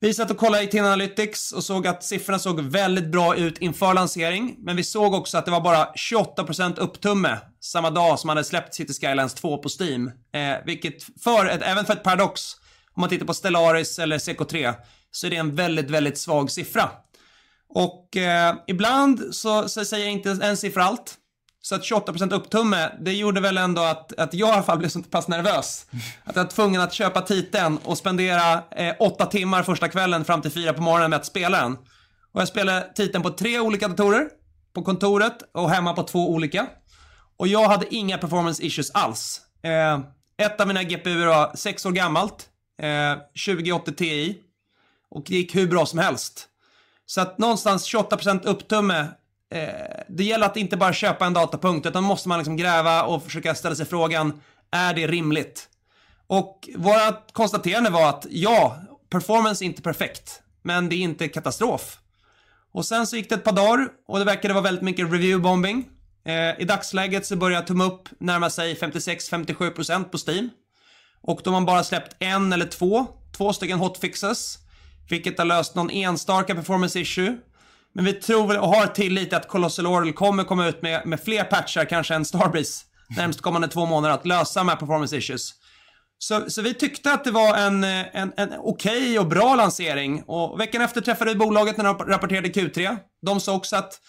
Vi satt och kollade i TN Analytics och såg att siffrorna såg väldigt bra ut inför lansering, men vi såg också att det var bara 28% upptumme samma dag som man hade släppt Cities Skylines 2 på Steam, vilket för ett, även för ett Paradox, om man tittar på Stellaris eller CK3, så är det en väldigt, väldigt svag siffra. Ibland så säger inte en siffra allt. Att 28% upptumme, det gjorde väl ändå att jag i alla fall blev så pass nervös att jag var tvungen att köpa titeln och spendera åtta timmar första kvällen fram till fyra på morgonen med att spela den. Jag spelade titeln på tre olika datorer på kontoret och hemma på två olika. Jag hade inga performance issues alls. Ett av mina GPU var sex år gammalt, tjugo åttio Ti, och det gick hur bra som helst. Så att någonstans 28% upptumme, det gäller att inte bara köpa en datapunkt, utan måste man gräva och försöka ställa sig frågan: Är det rimligt? Och vårt konstaterande var att ja, performance är inte perfekt, men det är inte katastrof. Sen så gick det ett par dagar och det verkade vara väldigt mycket review bombing. I dagsläget så börjar tumme upp närma sig 56%, 57% på Steam och de har bara släppt en eller två, två stycken hot fixes, vilket har löst någon enstaka performance issue. Men vi tror väl och har tillit att Colossal Order kommer komma ut med fler patchar, kanske en Starbreeze, närmast kommande två månader att lösa de här performance issues. Vi tyckte att det var en okej och bra lansering och veckan efter träffade vi bolaget när de rapporterade Q3. De sa också att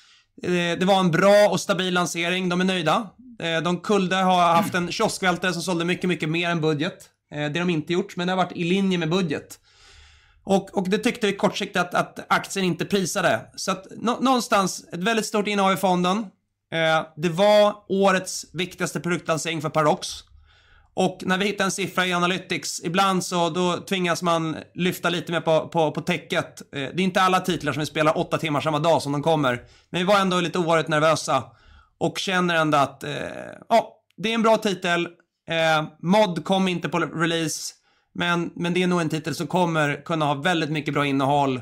det var en bra och stabil lansering, de är nöjda. De kunde ha haft en kioskvältare som sålde mycket, mycket mer än budget. Det har de inte gjort, men det har varit i linje med budget. Det tyckte vi kortsiktigt att aktien inte prisade. Någonstans, ett väldigt stort innehav i fonden. Det var årets viktigaste produktlansering för Paradox. När vi hittar en siffra i Analytics, ibland då tvingas man lyfta lite mer på täcket. Det är inte alla titlar som vi spelar åtta timmar samma dag som de kommer, men vi var ändå lite oerhört nervösa och känner ändå att det är en bra titel. Eh, Mod kom inte på release, men det är nog en titel som kommer kunna ha väldigt mycket bra innehåll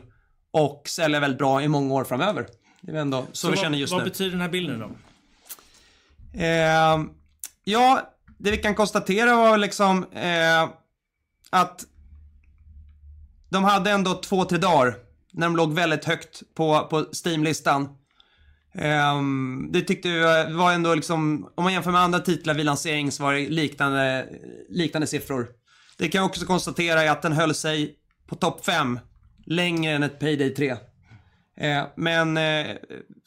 och sälja väldigt bra i många år framöver. Det är ändå så känner vi just nu. Vad betyder den här bilden då? Ja, det vi kan konstatera var att de hade ändå två, tre dagar när de låg väldigt högt på Steam-listan. Det tyckte vi var ändå, om man jämför med andra titlar vid lansering så var det liknande siffror. Det kan jag också konstatera är att den höll sig på topp fem längre än ett Payday 3. Men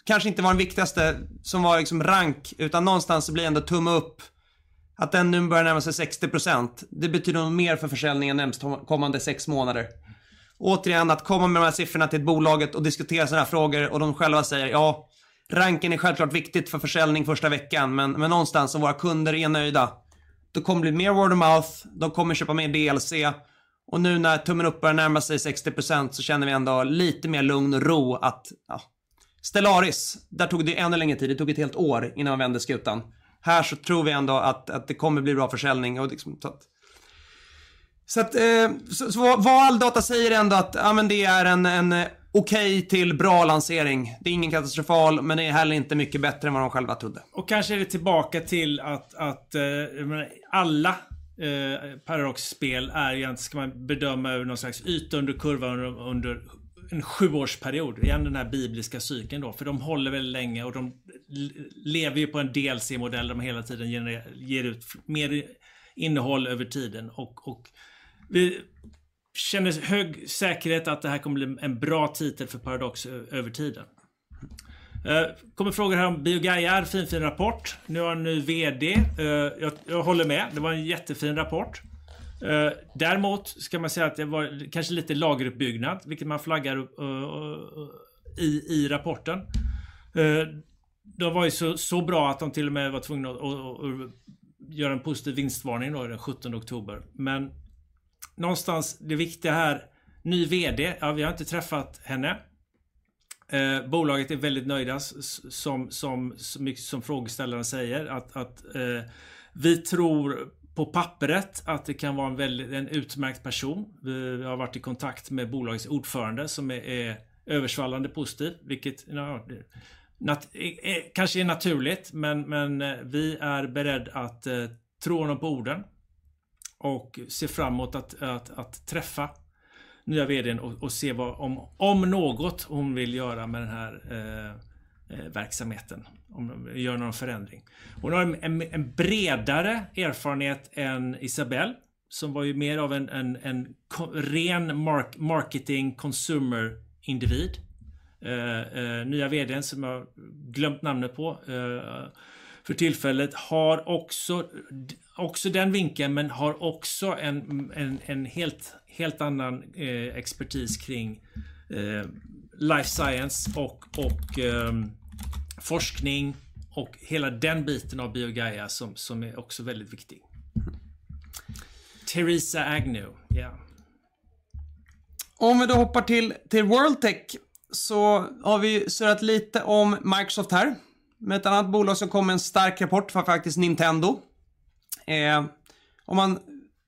kanske inte var den viktigaste som var rank, utan någonstans så blir det ändå tumme upp, att den nu börjar närma sig 60%. Det betyder nog mer för försäljningen närmast kommande sex månader. Återigen, att komma med de här siffrorna till bolaget och diskutera sådana här frågor och de själva säger: "Ja, ranken är självklart viktigt för försäljning första veckan, men någonstans om våra kunder är nöjda, då kommer det bli mer word of mouth, de kommer köpa mer DLC och nu när tummen upp börjar närma sig 60% så känner vi ändå lite mer lugn och ro att, ja." Stellaris, där tog det ju ännu längre tid. Det tog ett helt år innan vi vände skutan. Här så tror vi ändå att det kommer bli bra försäljning och så att... Så vad all data säger ändå att, ja, men det är en okej till bra lansering. Det är ingen katastrofal, men det är heller inte mycket bättre än vad de själva trodde. Och kanske är det tillbaka till att alla Paradox-spel är egentligen, ska man bedöma över någon slags yta under kurvan under en sjuårsperiod. Det är igen den här bibliska cykeln då, för de håller väldigt länge och de lever ju på en DLC-modell. De hela tiden genererar, ger ut mer innehåll över tiden och vi känner hög säkerhet att det här kommer bli en bra titel för Paradox över tiden. Kommer frågor här om Biogaia, fin rapport. Nu har jag en ny VD. Jag håller med, det var en jättefin rapport. Däremot ska man säga att det var kanske lite lageruppbyggnad, vilket man flaggar i rapporten. Det var ju så bra att de till och med var tvungna och göra en positiv vinstvarning då den sjuttonde oktober. Men någonstans, det viktiga här, ny VD. Ja, vi har inte träffat henne. Bolaget är väldigt nöjda, som frågeställaren säger, att vi tror på pappret att det kan vara en väldigt utmärkt person. Vi har varit i kontakt med bolagets ordförande, som är översvallande positiv, vilket ja, kanske är naturligt, men vi är beredd att tro henne på orden och se fram emot att träffa nya VD:n och se vad, om något hon vill göra med den här verksamheten, om de gör någon förändring. Hon har en bredare erfarenhet än Isabelle, som var ju mer av en ren marketing consumer individ. Vd:n, som jag har glömt namnet på för tillfället, har också den vinkeln, men har också en helt annan expertis kring life science och forskning och hela den biten av Biogaia som också är väldigt viktig. Theresa Agnew, ja. Om vi då hoppar till World Tech så har vi störat lite om Microsoft här. Men ett annat bolag som kom med en stark rapport var faktiskt Nintendo. Om man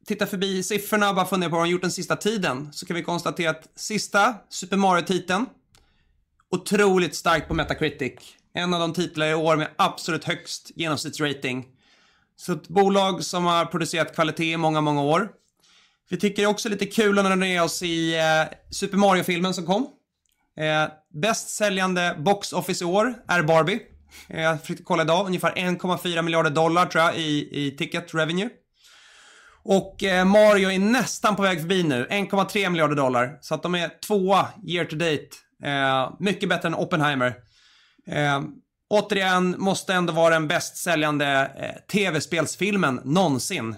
tittar förbi siffrorna och bara funderar på vad de har gjort den sista tiden, så kan vi konstatera att sista Super Mario-titeln, otroligt starkt på Metacritic. En av de titlar i år med absolut högst genomsnittsrating. Så ett bolag som har producerat kvalitet i många, många år. Vi tycker det är också lite kul när vi nu ner oss i Super Mario-filmen som kom. Bäst säljande box office i år är Barbie. Jag fick kolla idag, ungefär $1,4 miljarder tror jag, i ticket revenue. Och Mario är nästan på väg förbi nu, $1,3 miljarder, så att de är tvåa year to date. Mycket bättre än Oppenheimer. Återigen måste ändå vara den bäst säljande tv-spelsfilmen någonsin.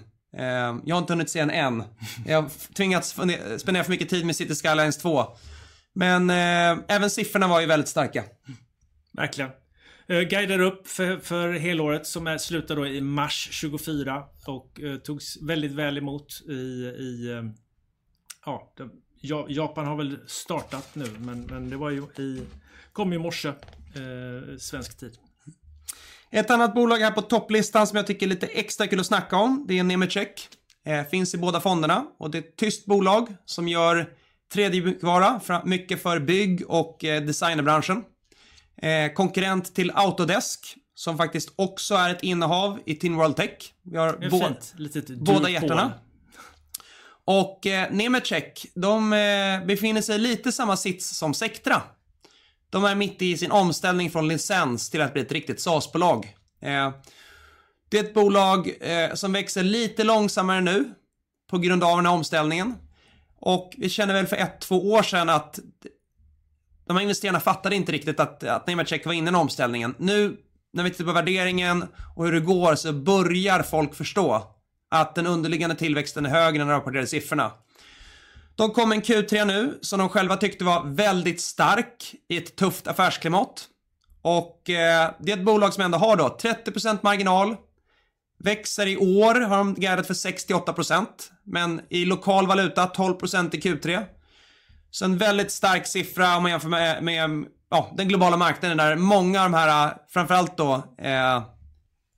Jag har inte hunnit se den än. Jag har tvingats spendera för mycket tid med Cities: Skylines II. Men även siffrorna var ju väldigt starka. Verkligen. Guidar upp för helåret som slutar då i mars 2024 och togs väldigt väl emot i Japan har väl startat nu, men det var ju i kom i morse, svensk tid. Ett annat bolag här på topplistan som jag tycker är lite extra kul att snacka om, det är Nemetschek. Finns i båda fonderna och det är ett tyskt bolag som gör 3D-mjukvara, mycket för bygg- och designbranschen. Konkurrent till Autodesk, som faktiskt också är ett innehav i Tin World Tech. Vi har båda hjärtana. Och Nemetschek, de befinner sig i lite samma sits som Sectra. De är mitt i sin omställning från licens till att bli ett riktigt SaaS-bolag. Det är ett bolag som växer lite långsammare nu på grund av den här omställningen. Och vi känner väl för ett, två år sedan att de här investerarna fattade inte riktigt att Nemetschek var inne i den omställningen. Nu, när vi tittar på värderingen och hur det går, så börjar folk förstå att den underliggande tillväxten är högre än de rapporterade siffrorna. De kom med Q3 nu som de själva tyckte var väldigt stark i ett tufft affärsklimat. Det är ett bolag som har 30% marginal, växer i år, har de guidat för 68%, men i lokal valuta, 12% i Q3. Så en väldigt stark siffra om man jämför med den globala marknaden där många av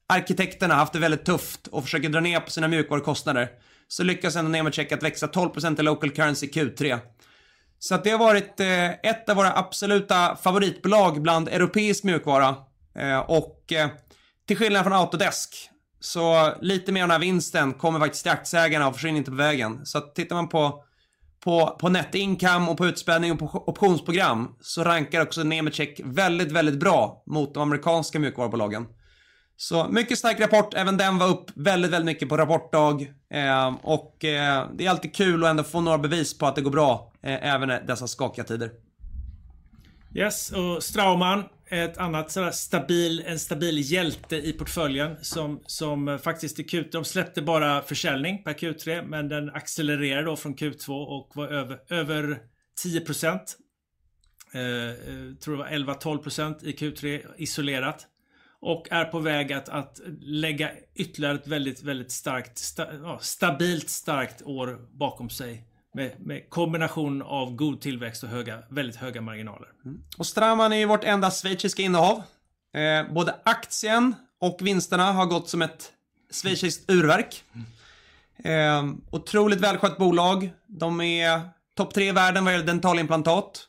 arkitekterna haft det väldigt tufft och försöker dra ner på sina mjukvarukostnader. Så lyckas Nemetschek att växa 12% i local currency Q3. Det har varit ett av våra absoluta favoritbolag bland europeisk mjukvara. Till skillnad från Autodesk, så lite mer av den här vinsten kommer faktiskt till aktieägarna och försvinner inte på vägen. Så att tittar man på net income och på utspädning och på optionsprogram så rankar också Nemetschek väldigt, väldigt bra mot de amerikanska mjukvarubolagen. Mycket stark rapport, även den var upp väldigt, väldigt mycket på rapportdag. Och det är alltid kul att ändå få några bevis på att det går bra, även i dessa skakiga tider. Ja, och Straumann, ett annat sådär stabilt, en stabil hjälte i portföljen som faktiskt i Q3, de släppte bara försäljning per Q3, men den accelererar då från Q2 och var över tio procent. Tror det var elva, tolv procent i Q3 isolerat och är på väg att lägga ytterligare ett väldigt starkt, ja, stabilt, starkt år bakom sig med kombination av god tillväxt och höga, väldigt höga marginaler. Straumann är ju vårt enda schweiziska innehav. Både aktien och vinsterna har gått som ett schweiziskt urverk. Otroligt välskött bolag. De är topp tre i världen vad gäller dentalimplantat.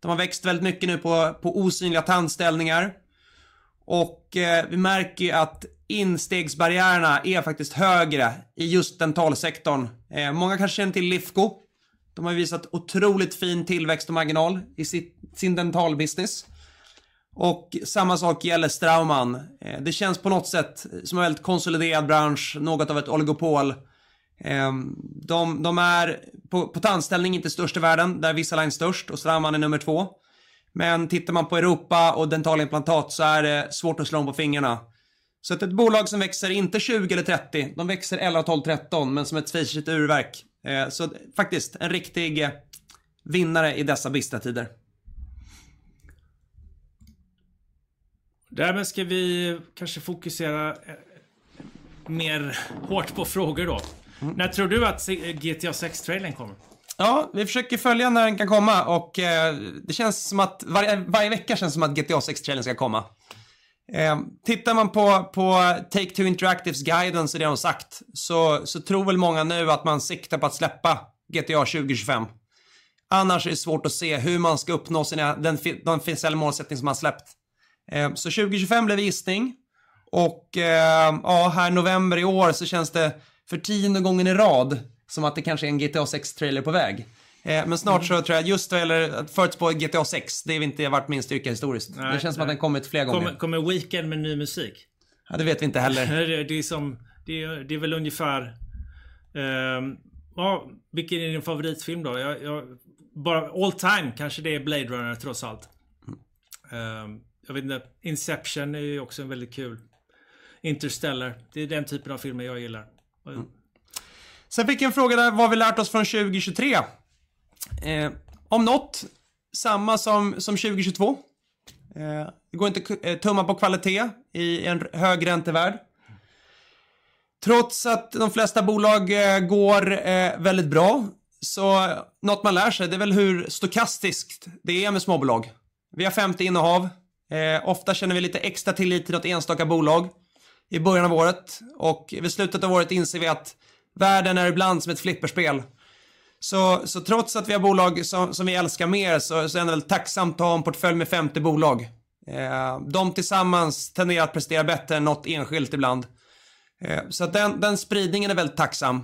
De har växt väldigt mycket nu på osynliga tandställningar och vi märker ju att inträdesbarriärerna är faktiskt högre i just dentalsektorn. Många kanske känner till Lifco. De har visat otroligt fin tillväxt och marginal i sin dentalbusiness och samma sak gäller Straumann. Det känns på något sätt som en väldigt konsoliderad bransch, något av ett oligopol. De är på tandställning inte störst i världen, där Invisalign är störst och Straumann är nummer två. Men tittar man på Europa och dentalimplantat så är det svårt att slå dem på fingrarna. Så det är ett bolag som växer inte tjugo eller trettio, de växer elva, tolv, tretton procent, men som ett schweiziskt urverk. Så faktiskt en riktig vinnare i dessa bristiga tider. Därmed ska vi kanske fokusera mer hårt på frågor då. När tror du att GTA 6-trailern kommer? Ja, vi försöker följa när den kan komma och det känns som att varje vecka känns som att GTA 6-trailern ska komma. Tittar man på Take-Two Interactives guidance och det de har sagt, så tror väl många nu att man siktar på att släppa GTA 2025. Annars är det svårt att se hur man ska uppnå sina finansiella målsättningar som man har släppt. 2025 blir det gissning och ja, här i november i år så känns det för tionde gången i rad som att det kanske är en GTA 6-trailer på väg. Men snart så tror jag att just det gäller att förutspå GTA 6, det har inte varit min styrka historiskt. Det känns som att den kommit flera gånger. Kommer The Weeknd med ny musik? Ja, det vet vi inte heller. Det är liksom, det är väl ungefär... ja, vilken är din favoritfilm då? Jag, bara all time, kanske det är Blade Runner trots allt. Jag vet inte, Inception är ju också en väldigt kul. Interstellar, det är den typen av filmer jag gillar. Sen fick jag en fråga där, vad vi lärt oss från 2023? Om något, samma som 2022. Det går inte att tumma på kvalitet i en högräntevärld. Trots att de flesta bolag går väldigt bra, så något man lär sig, det är väl hur stokastiskt det är med småbolag. Vi har femtio innehav. Ofta känner vi lite extra tillit till något enstaka bolag i början av året och vid slutet av året inser vi att världen är ibland som ett flipperspel. Så trots att vi har bolag som vi älskar mer, så är det väl tacksamt att ha en portfölj med femtio bolag. De tillsammans tenderar att prestera bättre än något enskilt ibland. Så att den spridningen är väldigt tacksam.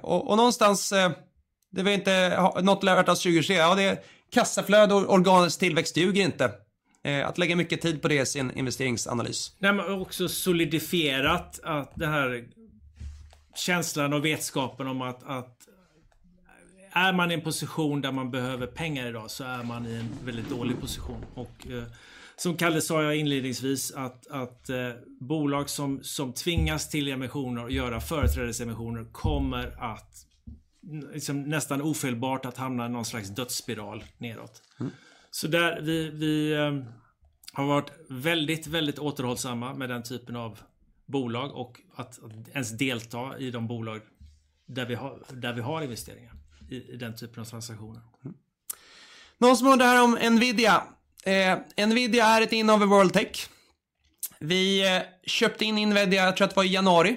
Och någonstans, det vet inte, något vi lärt oss 2023, ja, det kassaflöde och organisk tillväxt duger inte att lägga mycket tid på det i sin investeringsanalys. Nej, men också solidifierat att det här känslan och vetskapen om att är man i en position där man behöver pengar idag, så är man i en väldigt dålig position. Och som Kalle sa inledningsvis att bolag som tvingas till emissioner och göra företrädesemissioner kommer att nästan ofelbart hamna i någon slags dödsspiral nedåt. Så där vi har varit väldigt, väldigt återhållsamma med den typen av bolag och att ens delta i de bolag där vi har, där vi har investeringar i den typen av transaktioner. Någon som undrar om Nvidia. Nvidia är ett innehav i World Tech. Vi köpte in Nvidia, jag tror att det var i januari.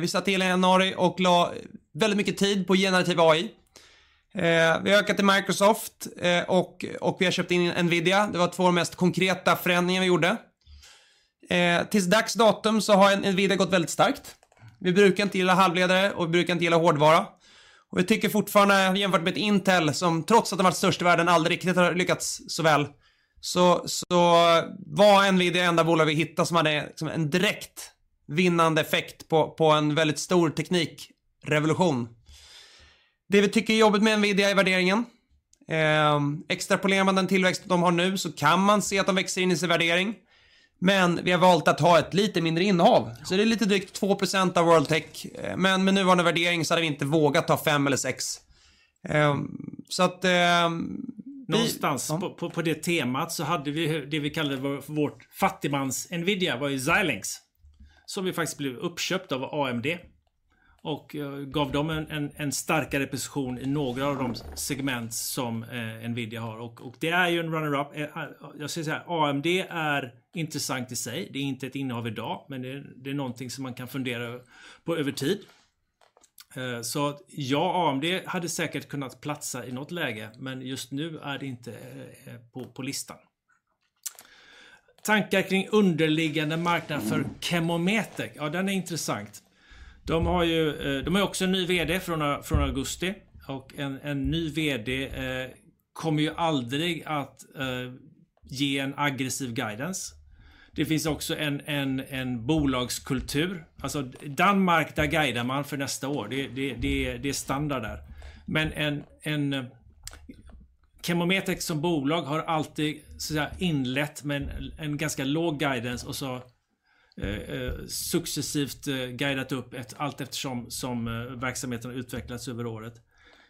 Vi satt till i januari och la väldigt mycket tid på generativ AI. Vi ökade till Microsoft och vi har köpt in Nvidia. Det var två mest konkreta förändringar vi gjorde. Tills dags datum så har Nvidia gått väldigt starkt. Vi brukar inte gilla halvledare och vi brukar inte gilla hårdvara. Vi tycker fortfarande jämfört med ett Intel, som trots att de har varit störst i världen, aldrig riktigt har lyckats så väl. Så var Nvidia det enda bolag vi hittade som hade en direkt vinnande effekt på en väldigt stor teknikrevolution. Det vi tycker är jobbigt med Nvidia är värderingen. Extrapolerar man den tillväxt de har nu, så kan man se att de växer in i sin värdering. Men vi har valt att ha ett lite mindre innehav, så det är lite drygt 2% av World Tech. Men med nuvarande värdering så hade vi inte vågat ta fem eller sex procent. Någonstans på det temat så hade vi det vi kallade vårt fattigmans Nvidia, var ju Xilinx, som ju faktiskt blev uppköpt av AMD och gav dem en starkare position i några av de segment som Nvidia har. Det är ju en runner up. Jag ska säga så här, AMD är intressant i sig, det är inte ett innehav idag, men det är någonting som man kan fundera på över tid. Så ja, AMD hade säkert kunnat platsa i något läge, men just nu är det inte på listan. Tankar kring underliggande marknad för Chemometec? Ja, den är intressant. De har ju, de har också en ny VD från augusti och en ny VD kommer ju aldrig att ge en aggressiv guidance. Det finns också en bolagskultur. Alltså, Danmark, där guidar man för nästa år. Det är standard där. Men Chemometec som bolag har alltid så att säga inlett med en ganska låg guidance och successivt guidat upp allt eftersom verksamheten har utvecklats över året.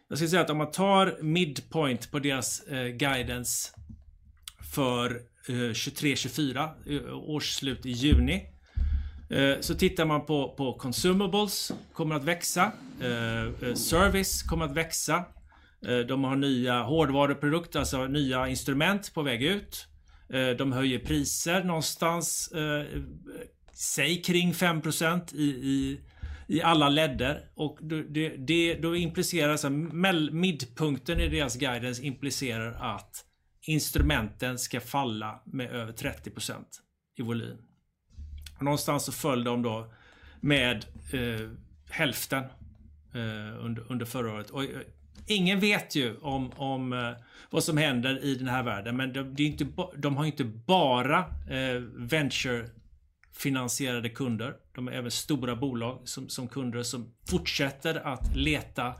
Jag ska säga att om man tar midpoint på deras guidance för 2023-2024, årsslut i juni, så tittar man på consumables, kommer att växa, service kommer att växa. De har nya hårdvaruprodukter, alltså nya instrument på väg ut. De höjer priser någonstans, säg kring 5% i alla ledder och då impliceras midpunkten i deras guidance implicerar att instrumenten ska falla med över 30% i volym. Någonstans så föll de då med hälften under förra året. Och ingen vet ju om vad som händer i den här världen, men det är inte bara venture-finansierade kunder. De är även stora bolag som kunder som fortsätter att leta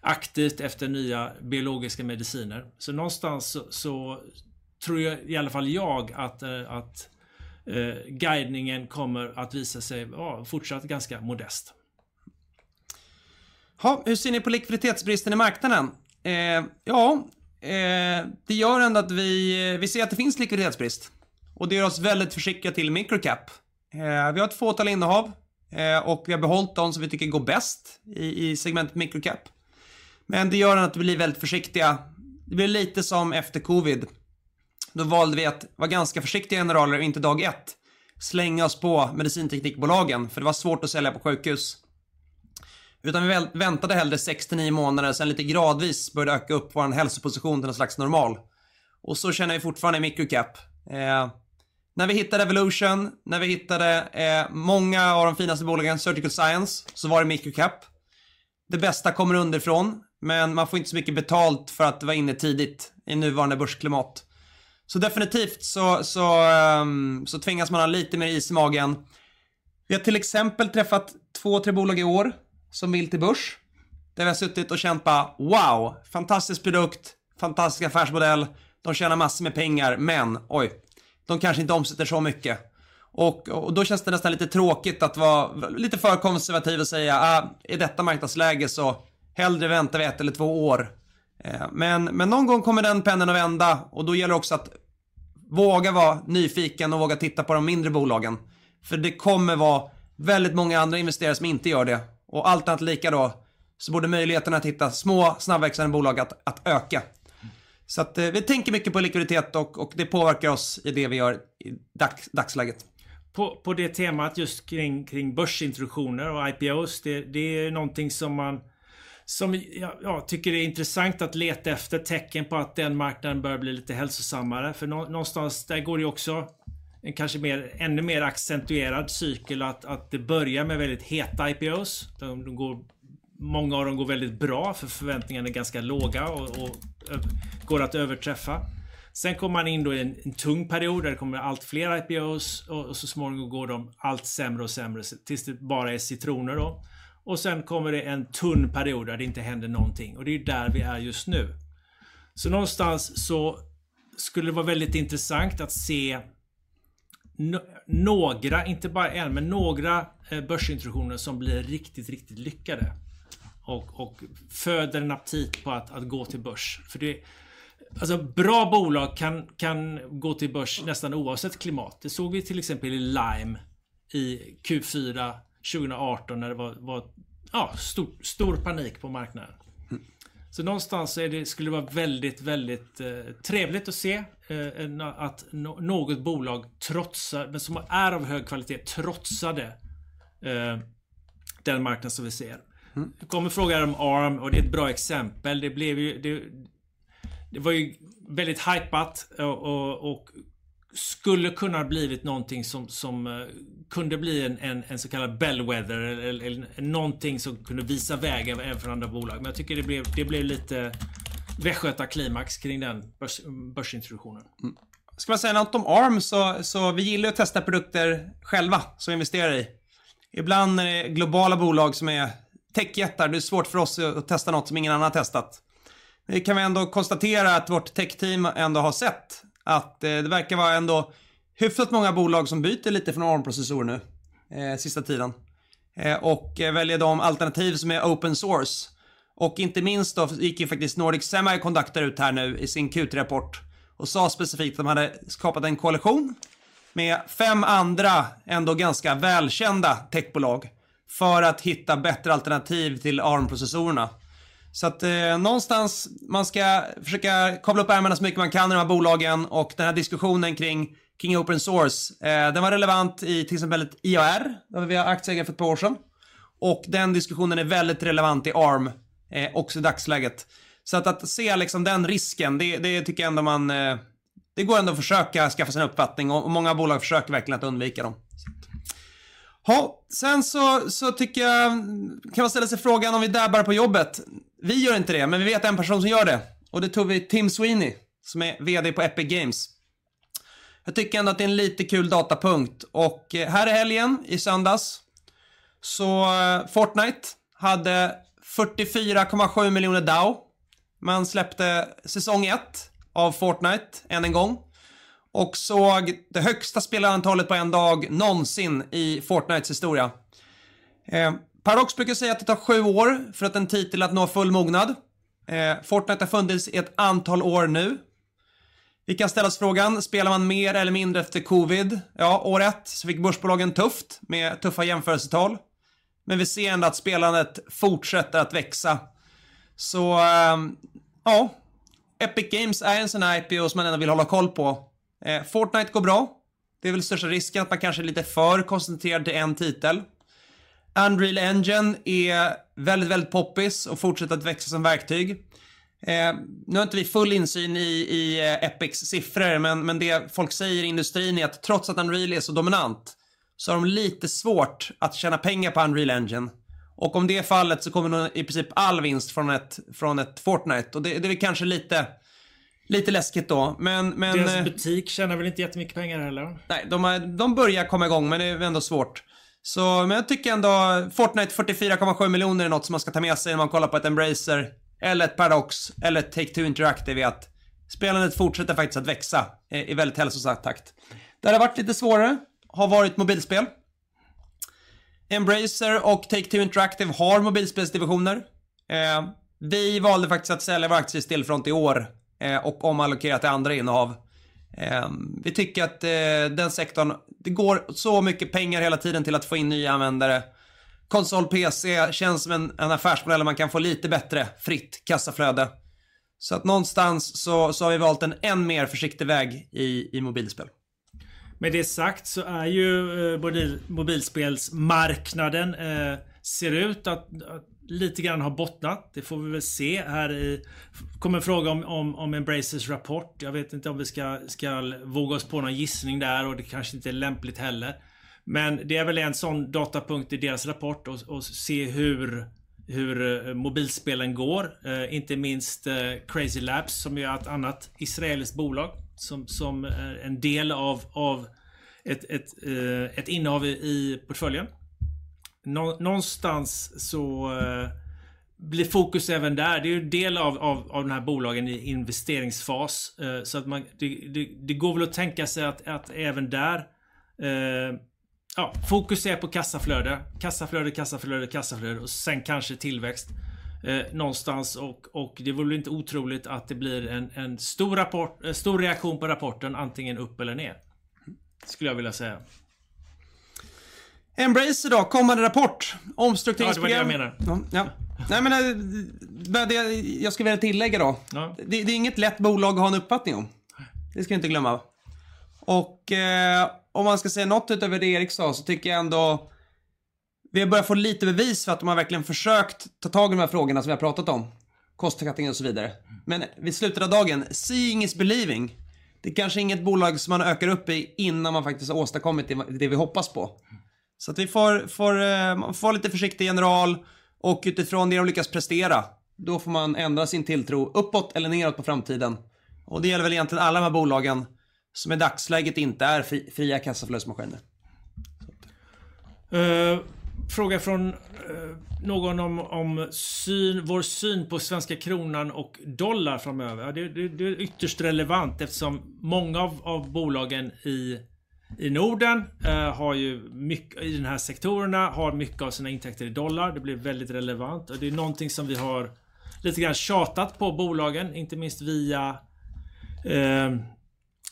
aktivt efter nya biologiska mediciner. Så någonstans så tror jag, i alla fall jag, att guidningen kommer att visa sig, ja, fortsatt ganska modest. Ja, hur ser ni på likviditetsbristen i marknaden? Det gör ändå att vi ser att det finns likviditetsbrist och det gör oss väldigt försiktiga till micro cap. Vi har ett fåtal innehav, och vi har behållit de som vi tycker går bäst i segmentet micro cap. Men det gör att vi blir väldigt försiktiga. Det blir lite som efter Covid. Då valde vi att vara ganska försiktiga i generaler och inte dag ett slänga oss på medicinteknikbolagen, för det var svårt att sälja på sjukhus. Utan vi väntade hellre sex till nio månader, sedan lite gradvis började öka upp vår hälsoposition till något slags normal. Och så känner vi fortfarande i micro cap. När vi hittade Evolution, när vi hittade många av de finaste bolagen, Surgical Science, så var det micro cap. Det bästa kommer underifrån, men man får inte så mycket betalt för att vara inne tidigt i nuvarande börsklimat. Så definitivt så tvingas man ha lite mer is i magen. Vi har till exempel träffat två, tre bolag i år som vill till börs, där vi har suttit och känt bara: "Wow! Fantastisk produkt, fantastisk affärsmodell. De tjänar massor med pengar, men oj, de kanske inte omsätter så mycket." Då känns det nästan lite tråkigt att vara lite för konservativ och säga: "I detta marknadsläge så hellre väntar vi ett eller två år." Men någon gång kommer den pennen att vända och då gäller det också att våga vara nyfiken och våga titta på de mindre bolagen. För det kommer vara väldigt många andra investerare som inte gör det. Och allt annat lika då, så borde möjligheterna att hitta små, snabbväxande bolag att öka. Så att vi tänker mycket på likviditet och det påverkar oss i det vi gör i dagsläget. På det temat, just kring börsintroduktioner och IPOs, det är någonting som man, som jag tycker det är intressant att leta efter tecken på att den marknaden börjar bli lite hälsosammare. För någonstans där går det också en kanske mer, ännu mer accentuerad cykel att det börjar med väldigt heta IPOs. De går... Många av dem går väldigt bra för förväntningarna är ganska låga och går att överträffa. Sen kommer man in då i en tung period där det kommer allt fler IPOs och så småningom går de allt sämre och sämre tills det bara är citroner då. Och sedan kommer det en tunn period där det inte händer någonting, och det är där vi är just nu. Så någonstans så... Skulle det vara väldigt intressant att se några, inte bara en, men några börsintroduktioner som blir riktigt, riktigt lyckade och föder en aptit på att gå till börs. För det, bra bolag kan gå till börs nästan oavsett klimat. Det såg vi till exempel i Lime i Q4 2018, när det var stor panik på marknaden. Så någonstans så är det, skulle det vara väldigt, väldigt trevligt att se att något bolag trotsar, men som är av hög kvalitet, trotsade den marknad som vi ser. Det kommer frågor om Arm och det är ett bra exempel. Det blev ju väldigt hypat och skulle kunna ha blivit någonting som kunde bli en så kallad bellwether eller någonting som kunde visa vägen för andra bolag. Men jag tycker det blev, det blev lite Västgötaklimax kring den börs, börsintroduktionen. Ska man säga något om Arm, så vi gillar att testa produkter själva som vi investerar i. Ibland är det globala bolag som är techjättar. Det är svårt för oss att testa något som ingen annan har testat. Vi kan konstatera att vårt techteam har sett att det verkar vara hyfsat många bolag som byter lite från Arm-processor nu, sista tiden. De väljer alternativ som är open source. Inte minst gick ju faktiskt Nordic Semi Conductor ut här nu i sin Q3-rapport och sa specifikt att de hade skapat en koalition med fem andra ganska välkända techbolag för att hitta bättre alternativ till Arm-processorerna. Någonstans, man ska försöka kavla upp ärmarna så mycket man kan i de här bolagen och den här diskussionen kring open source. Den var relevant i till exempel IAR, där vi har aktieägare för ett par år sedan, och den diskussionen är väldigt relevant i ARM också i dagsläget. Att se risken, det tycker jag ändå man... Det går ändå att försöka skaffa sig en uppfattning och många bolag försöker verkligen att undvika dem. Sen kan man ställa sig frågan om vi spelar på jobbet? Vi gör inte det, men vi vet en person som gör det och det tror vi Tim Sweeney, som är VD på Epic Games. Jag tycker ändå att det är en lite kul datapunkt och här i helgen, i söndags, så Fortnite hade 44,7 miljoner DAU. Man släppte säsong ett av Fortnite än en gång och såg det högsta spelarantalet på en dag någonsin i Fortnites historia. Paradox brukar säga att det tar sju år för att en titel att nå full mognad. Fortnite har funnits i ett antal år nu. Vi kan ställa oss frågan: Spelar man mer eller mindre efter Covid? År ett så fick börsbolagen tufft med tuffa jämförelsetal, men vi ser ändå att spelandet fortsätter att växa. Epic Games är en sådan här IPO som man ändå vill hålla koll på. Fortnite går bra, det är väl största risken att man kanske är lite för koncentrerad till en titel. Unreal Engine är väldigt, väldigt populärt och fortsätter att växa som verktyg. Nu har inte vi full insyn i Epics siffror, men det folk säger i industrin är att trots att Unreal är så dominant, så har de lite svårt att tjäna pengar på Unreal Engine. Och om det är fallet så kommer nog i princip all vinst från ett, från ett Fortnite, och det, det är kanske lite, lite läskigt då. Men, men- Deras butik tjänar väl inte jättemycket pengar heller? Nej, de har, de börjar komma i gång, men det är ändå svårt. Men jag tycker ändå Fortnite 44.7 miljoner är något som man ska ta med sig när man kollar på ett Embracer eller ett Paradox eller ett Take-Two Interactive är att spelandet fortsätter faktiskt att växa i väldigt hälsosam takt. Det har varit lite svårare, har varit mobilspel. Embracer och Take-Two Interactive har mobilspelsdivisioner. Vi valde faktiskt att sälja vår aktie i Stillfront i år och omallokera till andra innehav. Vi tycker att den sektorn, det går så mycket pengar hela tiden till att få in nya användare. Konsol, PC känns som en affärsmodell där man kan få lite bättre fritt kassaflöde. Så någonstans så har vi valt en än mer försiktig väg i mobilspel. Med det sagt så är ju mobil, mobilspelsmarknaden ser ut att lite grann ha bottnat. Det får vi väl se här i, kommer fråga om Embracers rapport. Jag vet inte om vi ska våga oss på någon gissning där och det kanske inte är lämpligt heller, men det är väl en sådan datapunkt i deras rapport och se hur mobilspelen går, inte minst Crazy Labs, som ju är ett annat israeliskt bolag, som är en del av ett innehav i portföljen. Någonstans så blir fokus även där. Det är ju en del av de här bolagen i investeringsfas. Så att man, det går väl att tänka sig att även där, ja, fokus är på kassaflöde, kassaflöde, kassaflöde, kassaflöde och sen kanske tillväxt någonstans. Och det vore inte otroligt att det blir en stor rapport, en stor reaktion på rapporten, antingen upp eller ner, skulle jag vilja säga. Embracer då, kommande rapport, omstrukturering. Ja, det var det jag menar. Ja, nej men jag skulle vilja tillägga då. Ja. Det är inget lätt bolag att ha en uppfattning om. Det ska vi inte glömma. Om man ska säga något utöver det Erik sa, så tycker jag ändå... Vi har börjat få lite bevis för att de har verkligen försökt ta tag i de här frågorna som vi har pratat om, kostnad och så vidare. Men vid slutet av dagen, seeing is believing. Det är kanske inget bolag som man ökar upp i innan man faktiskt har åstadkommit det vi hoppas på. Så att vi får vara lite försiktiga generellt och utifrån det de lyckas prestera, då får man ändra sin tilltro uppåt eller nedåt för framtiden. Det gäller väl egentligen alla de här bolagen som i dagsläget inte är fria kassaflödesmaskiner. Fråga från någon om vår syn på svenska kronan och dollar framöver. Ja, det är ytterst relevant eftersom många av bolagen i Norden har ju mycket i de här sektorerna, har mycket av sina intäkter i dollar. Det blir väldigt relevant och det är någonting som vi har lite grann tjatat på bolagen, inte minst via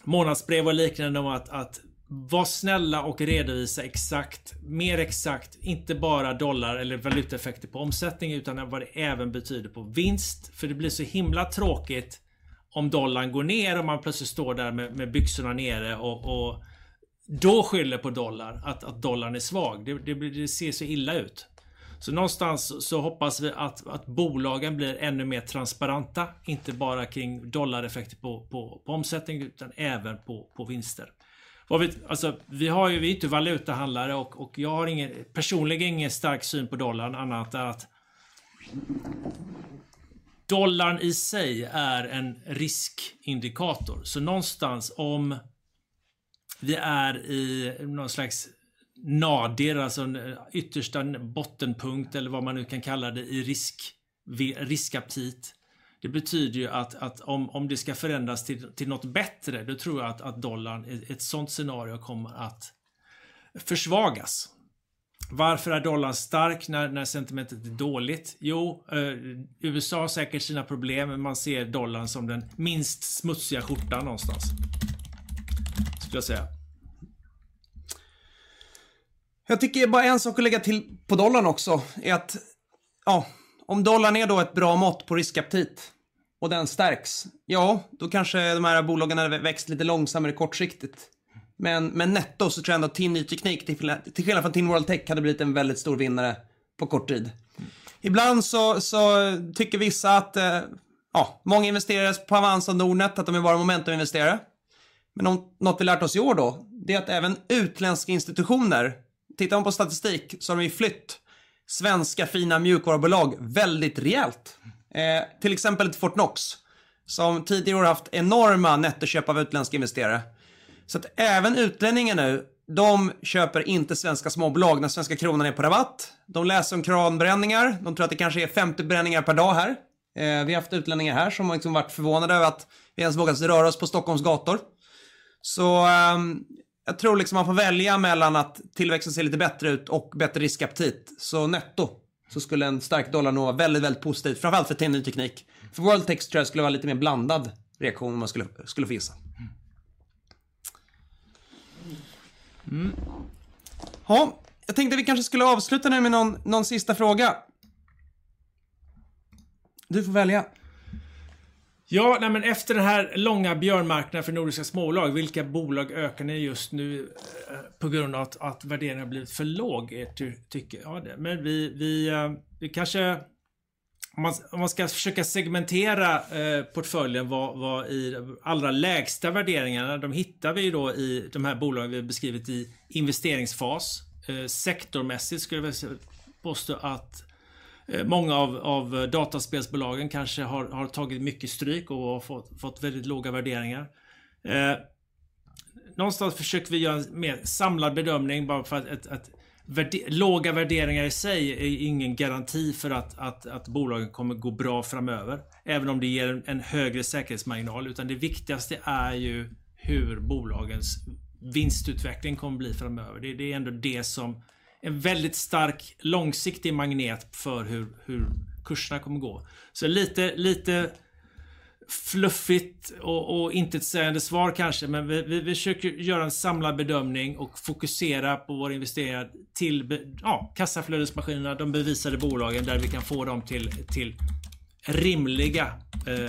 månadsbrev och liknande, om att var snälla och redovisa exakt, mer exakt, inte bara dollar eller valutaeffekter på omsättning, utan vad det även betyder på vinst. För det blir så himla tråkigt om dollarn går ner och man plötsligt står där med byxorna nere och då skyller på dollar, att dollarn är svag. Det blir, det ser så illa ut. Så någonstans så hoppas vi att bolagen blir ännu mer transparenta, inte bara kring dollareffekter på omsättning, utan även på vinster. Vad vi, alltså, vi har ju, vi är ju valutahandlare och jag har ingen personlig, ingen stark syn på dollarn, annat än att dollarn i sig är en riskindikator. Så någonstans om vi är i någon slags nadir, alltså en yttersta bottenpunkt eller vad man nu kan kalla det, i risk, riskaptit. Det betyder ju att om det ska förändras till något bättre, då tror jag att dollarn i ett sådant scenario kommer att försvagas. Varför är dollarn stark när sentimentet är dåligt? Jo, USA har säkert sina problem, men man ser dollarn som den minst smutsiga skjortan någonstans, skulle jag säga. Jag tycker bara en sak att lägga till på dollarn också är att, ja, om dollarn är då ett bra mått på riskaptit och den stärks, ja, då kanske de här bolagen hade växt lite långsammare kortsiktigt. Men netto så tror jag ändå att Tinny teknik, till i alla fall till World Tech hade blivit en väldigt stor vinnare på kort tid. Ibland så tycker vissa att, ja, många investerare på Avanza och Nordnet, att de är bara momentum-investerare. Men något vi lärt oss i år då, det är att även utländska institutioner, tittar man på statistik, så har de ju flytt svenska fina mjukvarubolag väldigt rejält. Till exempel Fortnox, som tidigare år haft enorma nettoköp av utländska investerare. Så att även utlänningar nu, de köper inte svenska småbolag när svenska kronan är på rabatt. De läser om kranbränningar. De tror att det kanske är femtio bränningar per dag här. Vi har haft utlänningar här som liksom varit förvånade över att vi ens vågat röra oss på Stockholms gator. Så, jag tror liksom man får välja mellan att tillväxten ser lite bättre ut och bättre riskaptit. Så netto, så skulle en stark dollar nog vara väldigt, väldigt positivt, framför allt för Tin ny teknik. För World Tech tror jag skulle vara lite mer blandad reaktion om man skulle, skulle finnas. Jaha, jag tänkte vi kanske skulle avsluta nu med någon, någon sista fråga. Du får välja. Ja, nej men efter den här långa björnmarknaden för nordiska småbolag, vilka bolag ökar ni just nu på grund av att värderingen har blivit för låg i ert tycke? Ja, det, men vi kanske... Om man ska försöka segmentera portföljen, var i de allra lägsta värderingarna, de hittar vi då i de här bolagen vi har beskrivit i investeringsfas. Sektormässigt skulle jag väl påstå att många av dataspelsbolagen kanske har tagit mycket stryk och har fått väldigt låga värderingar. Någonstans försöker vi göra en mer samlad bedömning, bara för att låga värderingar i sig är ingen garanti för att bolagen kommer gå bra framöver, även om det ger en högre säkerhetsmarginal. Utan det viktigaste är ju hur bolagens vinstutveckling kommer bli framöver. Det, det är ändå det som är en väldigt stark, långsiktig magnet för hur kurserna kommer gå. Så lite fluffigt och intetsägande svar kanske, men vi försöker göra en samlad bedömning och fokusera på vår investering till kassaflödesmaskinerna, de bevisade bolagen, där vi kan få dem till rimliga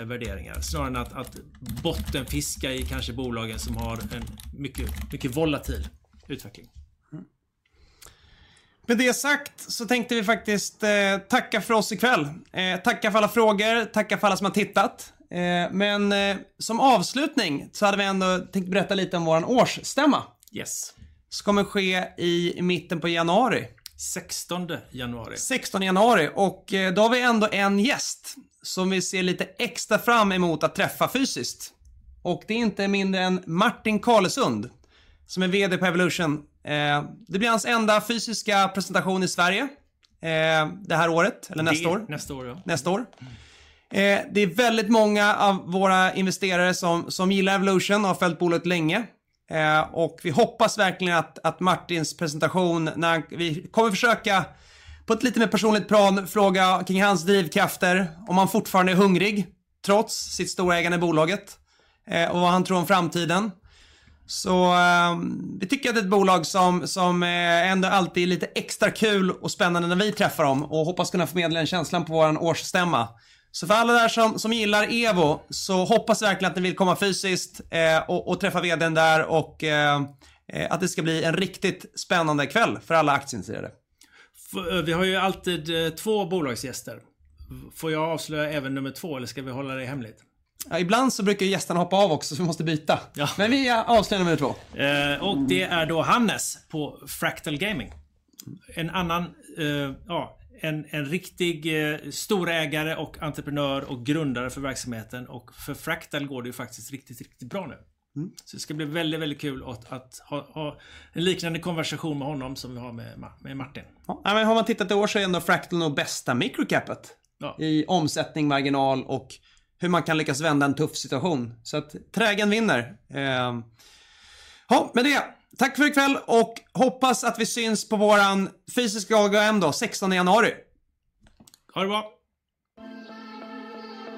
värderingar. Snarare än att bottenfiska i kanske bolagen som har en mycket volatil utveckling. Med det sagt så tänkte vi faktiskt tacka för oss i kväll. Tacka för alla frågor, tacka för alla som har tittat. Men som avslutning så hade vi ändå tänkt berätta lite om vår årsstämma. Yes. Som kommer ske i mitten på januari. Sextonde januari. Sextonde januari. Och då har vi ändå en gäst som vi ser lite extra fram emot att träffa fysiskt. Och det är inte mindre än Martin Kalesund, som är VD på Evolution. Det blir hans enda fysiska presentation i Sverige det här året. Eller nästa år. Nästa år, ja. Nästa år. Det är väldigt många av våra investerare som gillar Evolution och har följt bolaget länge, och vi hoppas verkligen att Martins presentation, när... Vi kommer försöka på ett lite mer personligt plan fråga kring hans drivkrafter, om han fortfarande är hungrig, trots sitt storägande i bolaget, och vad han tror om framtiden. Vi tycker att det är ett bolag som ändå alltid är lite extra kul och spännande när vi träffar dem och hoppas kunna förmedla den känslan på vår årsstämma. För alla där som gillar Evo, så hoppas vi verkligen att ni vill komma fysiskt och träffa VD:n där och att det ska bli en riktigt spännande kväll för alla aktieintressenter. Vi har ju alltid två bolagsgäster. Får jag avslöja även nummer två eller ska vi hålla det hemligt? Ibland så brukar ju gästerna hoppa av också, så vi måste byta. Ja. Men vi avslöjar nummer två. Och det är då Hannes på Fractal Gaming. En annan, ja, en riktig storägare och entreprenör och grundare för verksamheten och för Fractal går det ju faktiskt riktigt, riktigt bra nu. Mm. Så det ska bli väldigt, väldigt kul att ha en liknande konversation med honom som vi har med Martin. Ja, men har man tittat i år så är ändå Fractal nog bästa microcappet. Ja i omsättning, marginal och hur man kan lyckas vända en tuff situation. Så att trägen vinner. Jaha, med det, tack för i kväll och hoppas att vi syns på vår fysiska AGM då, sextonde januari. Ha det bra!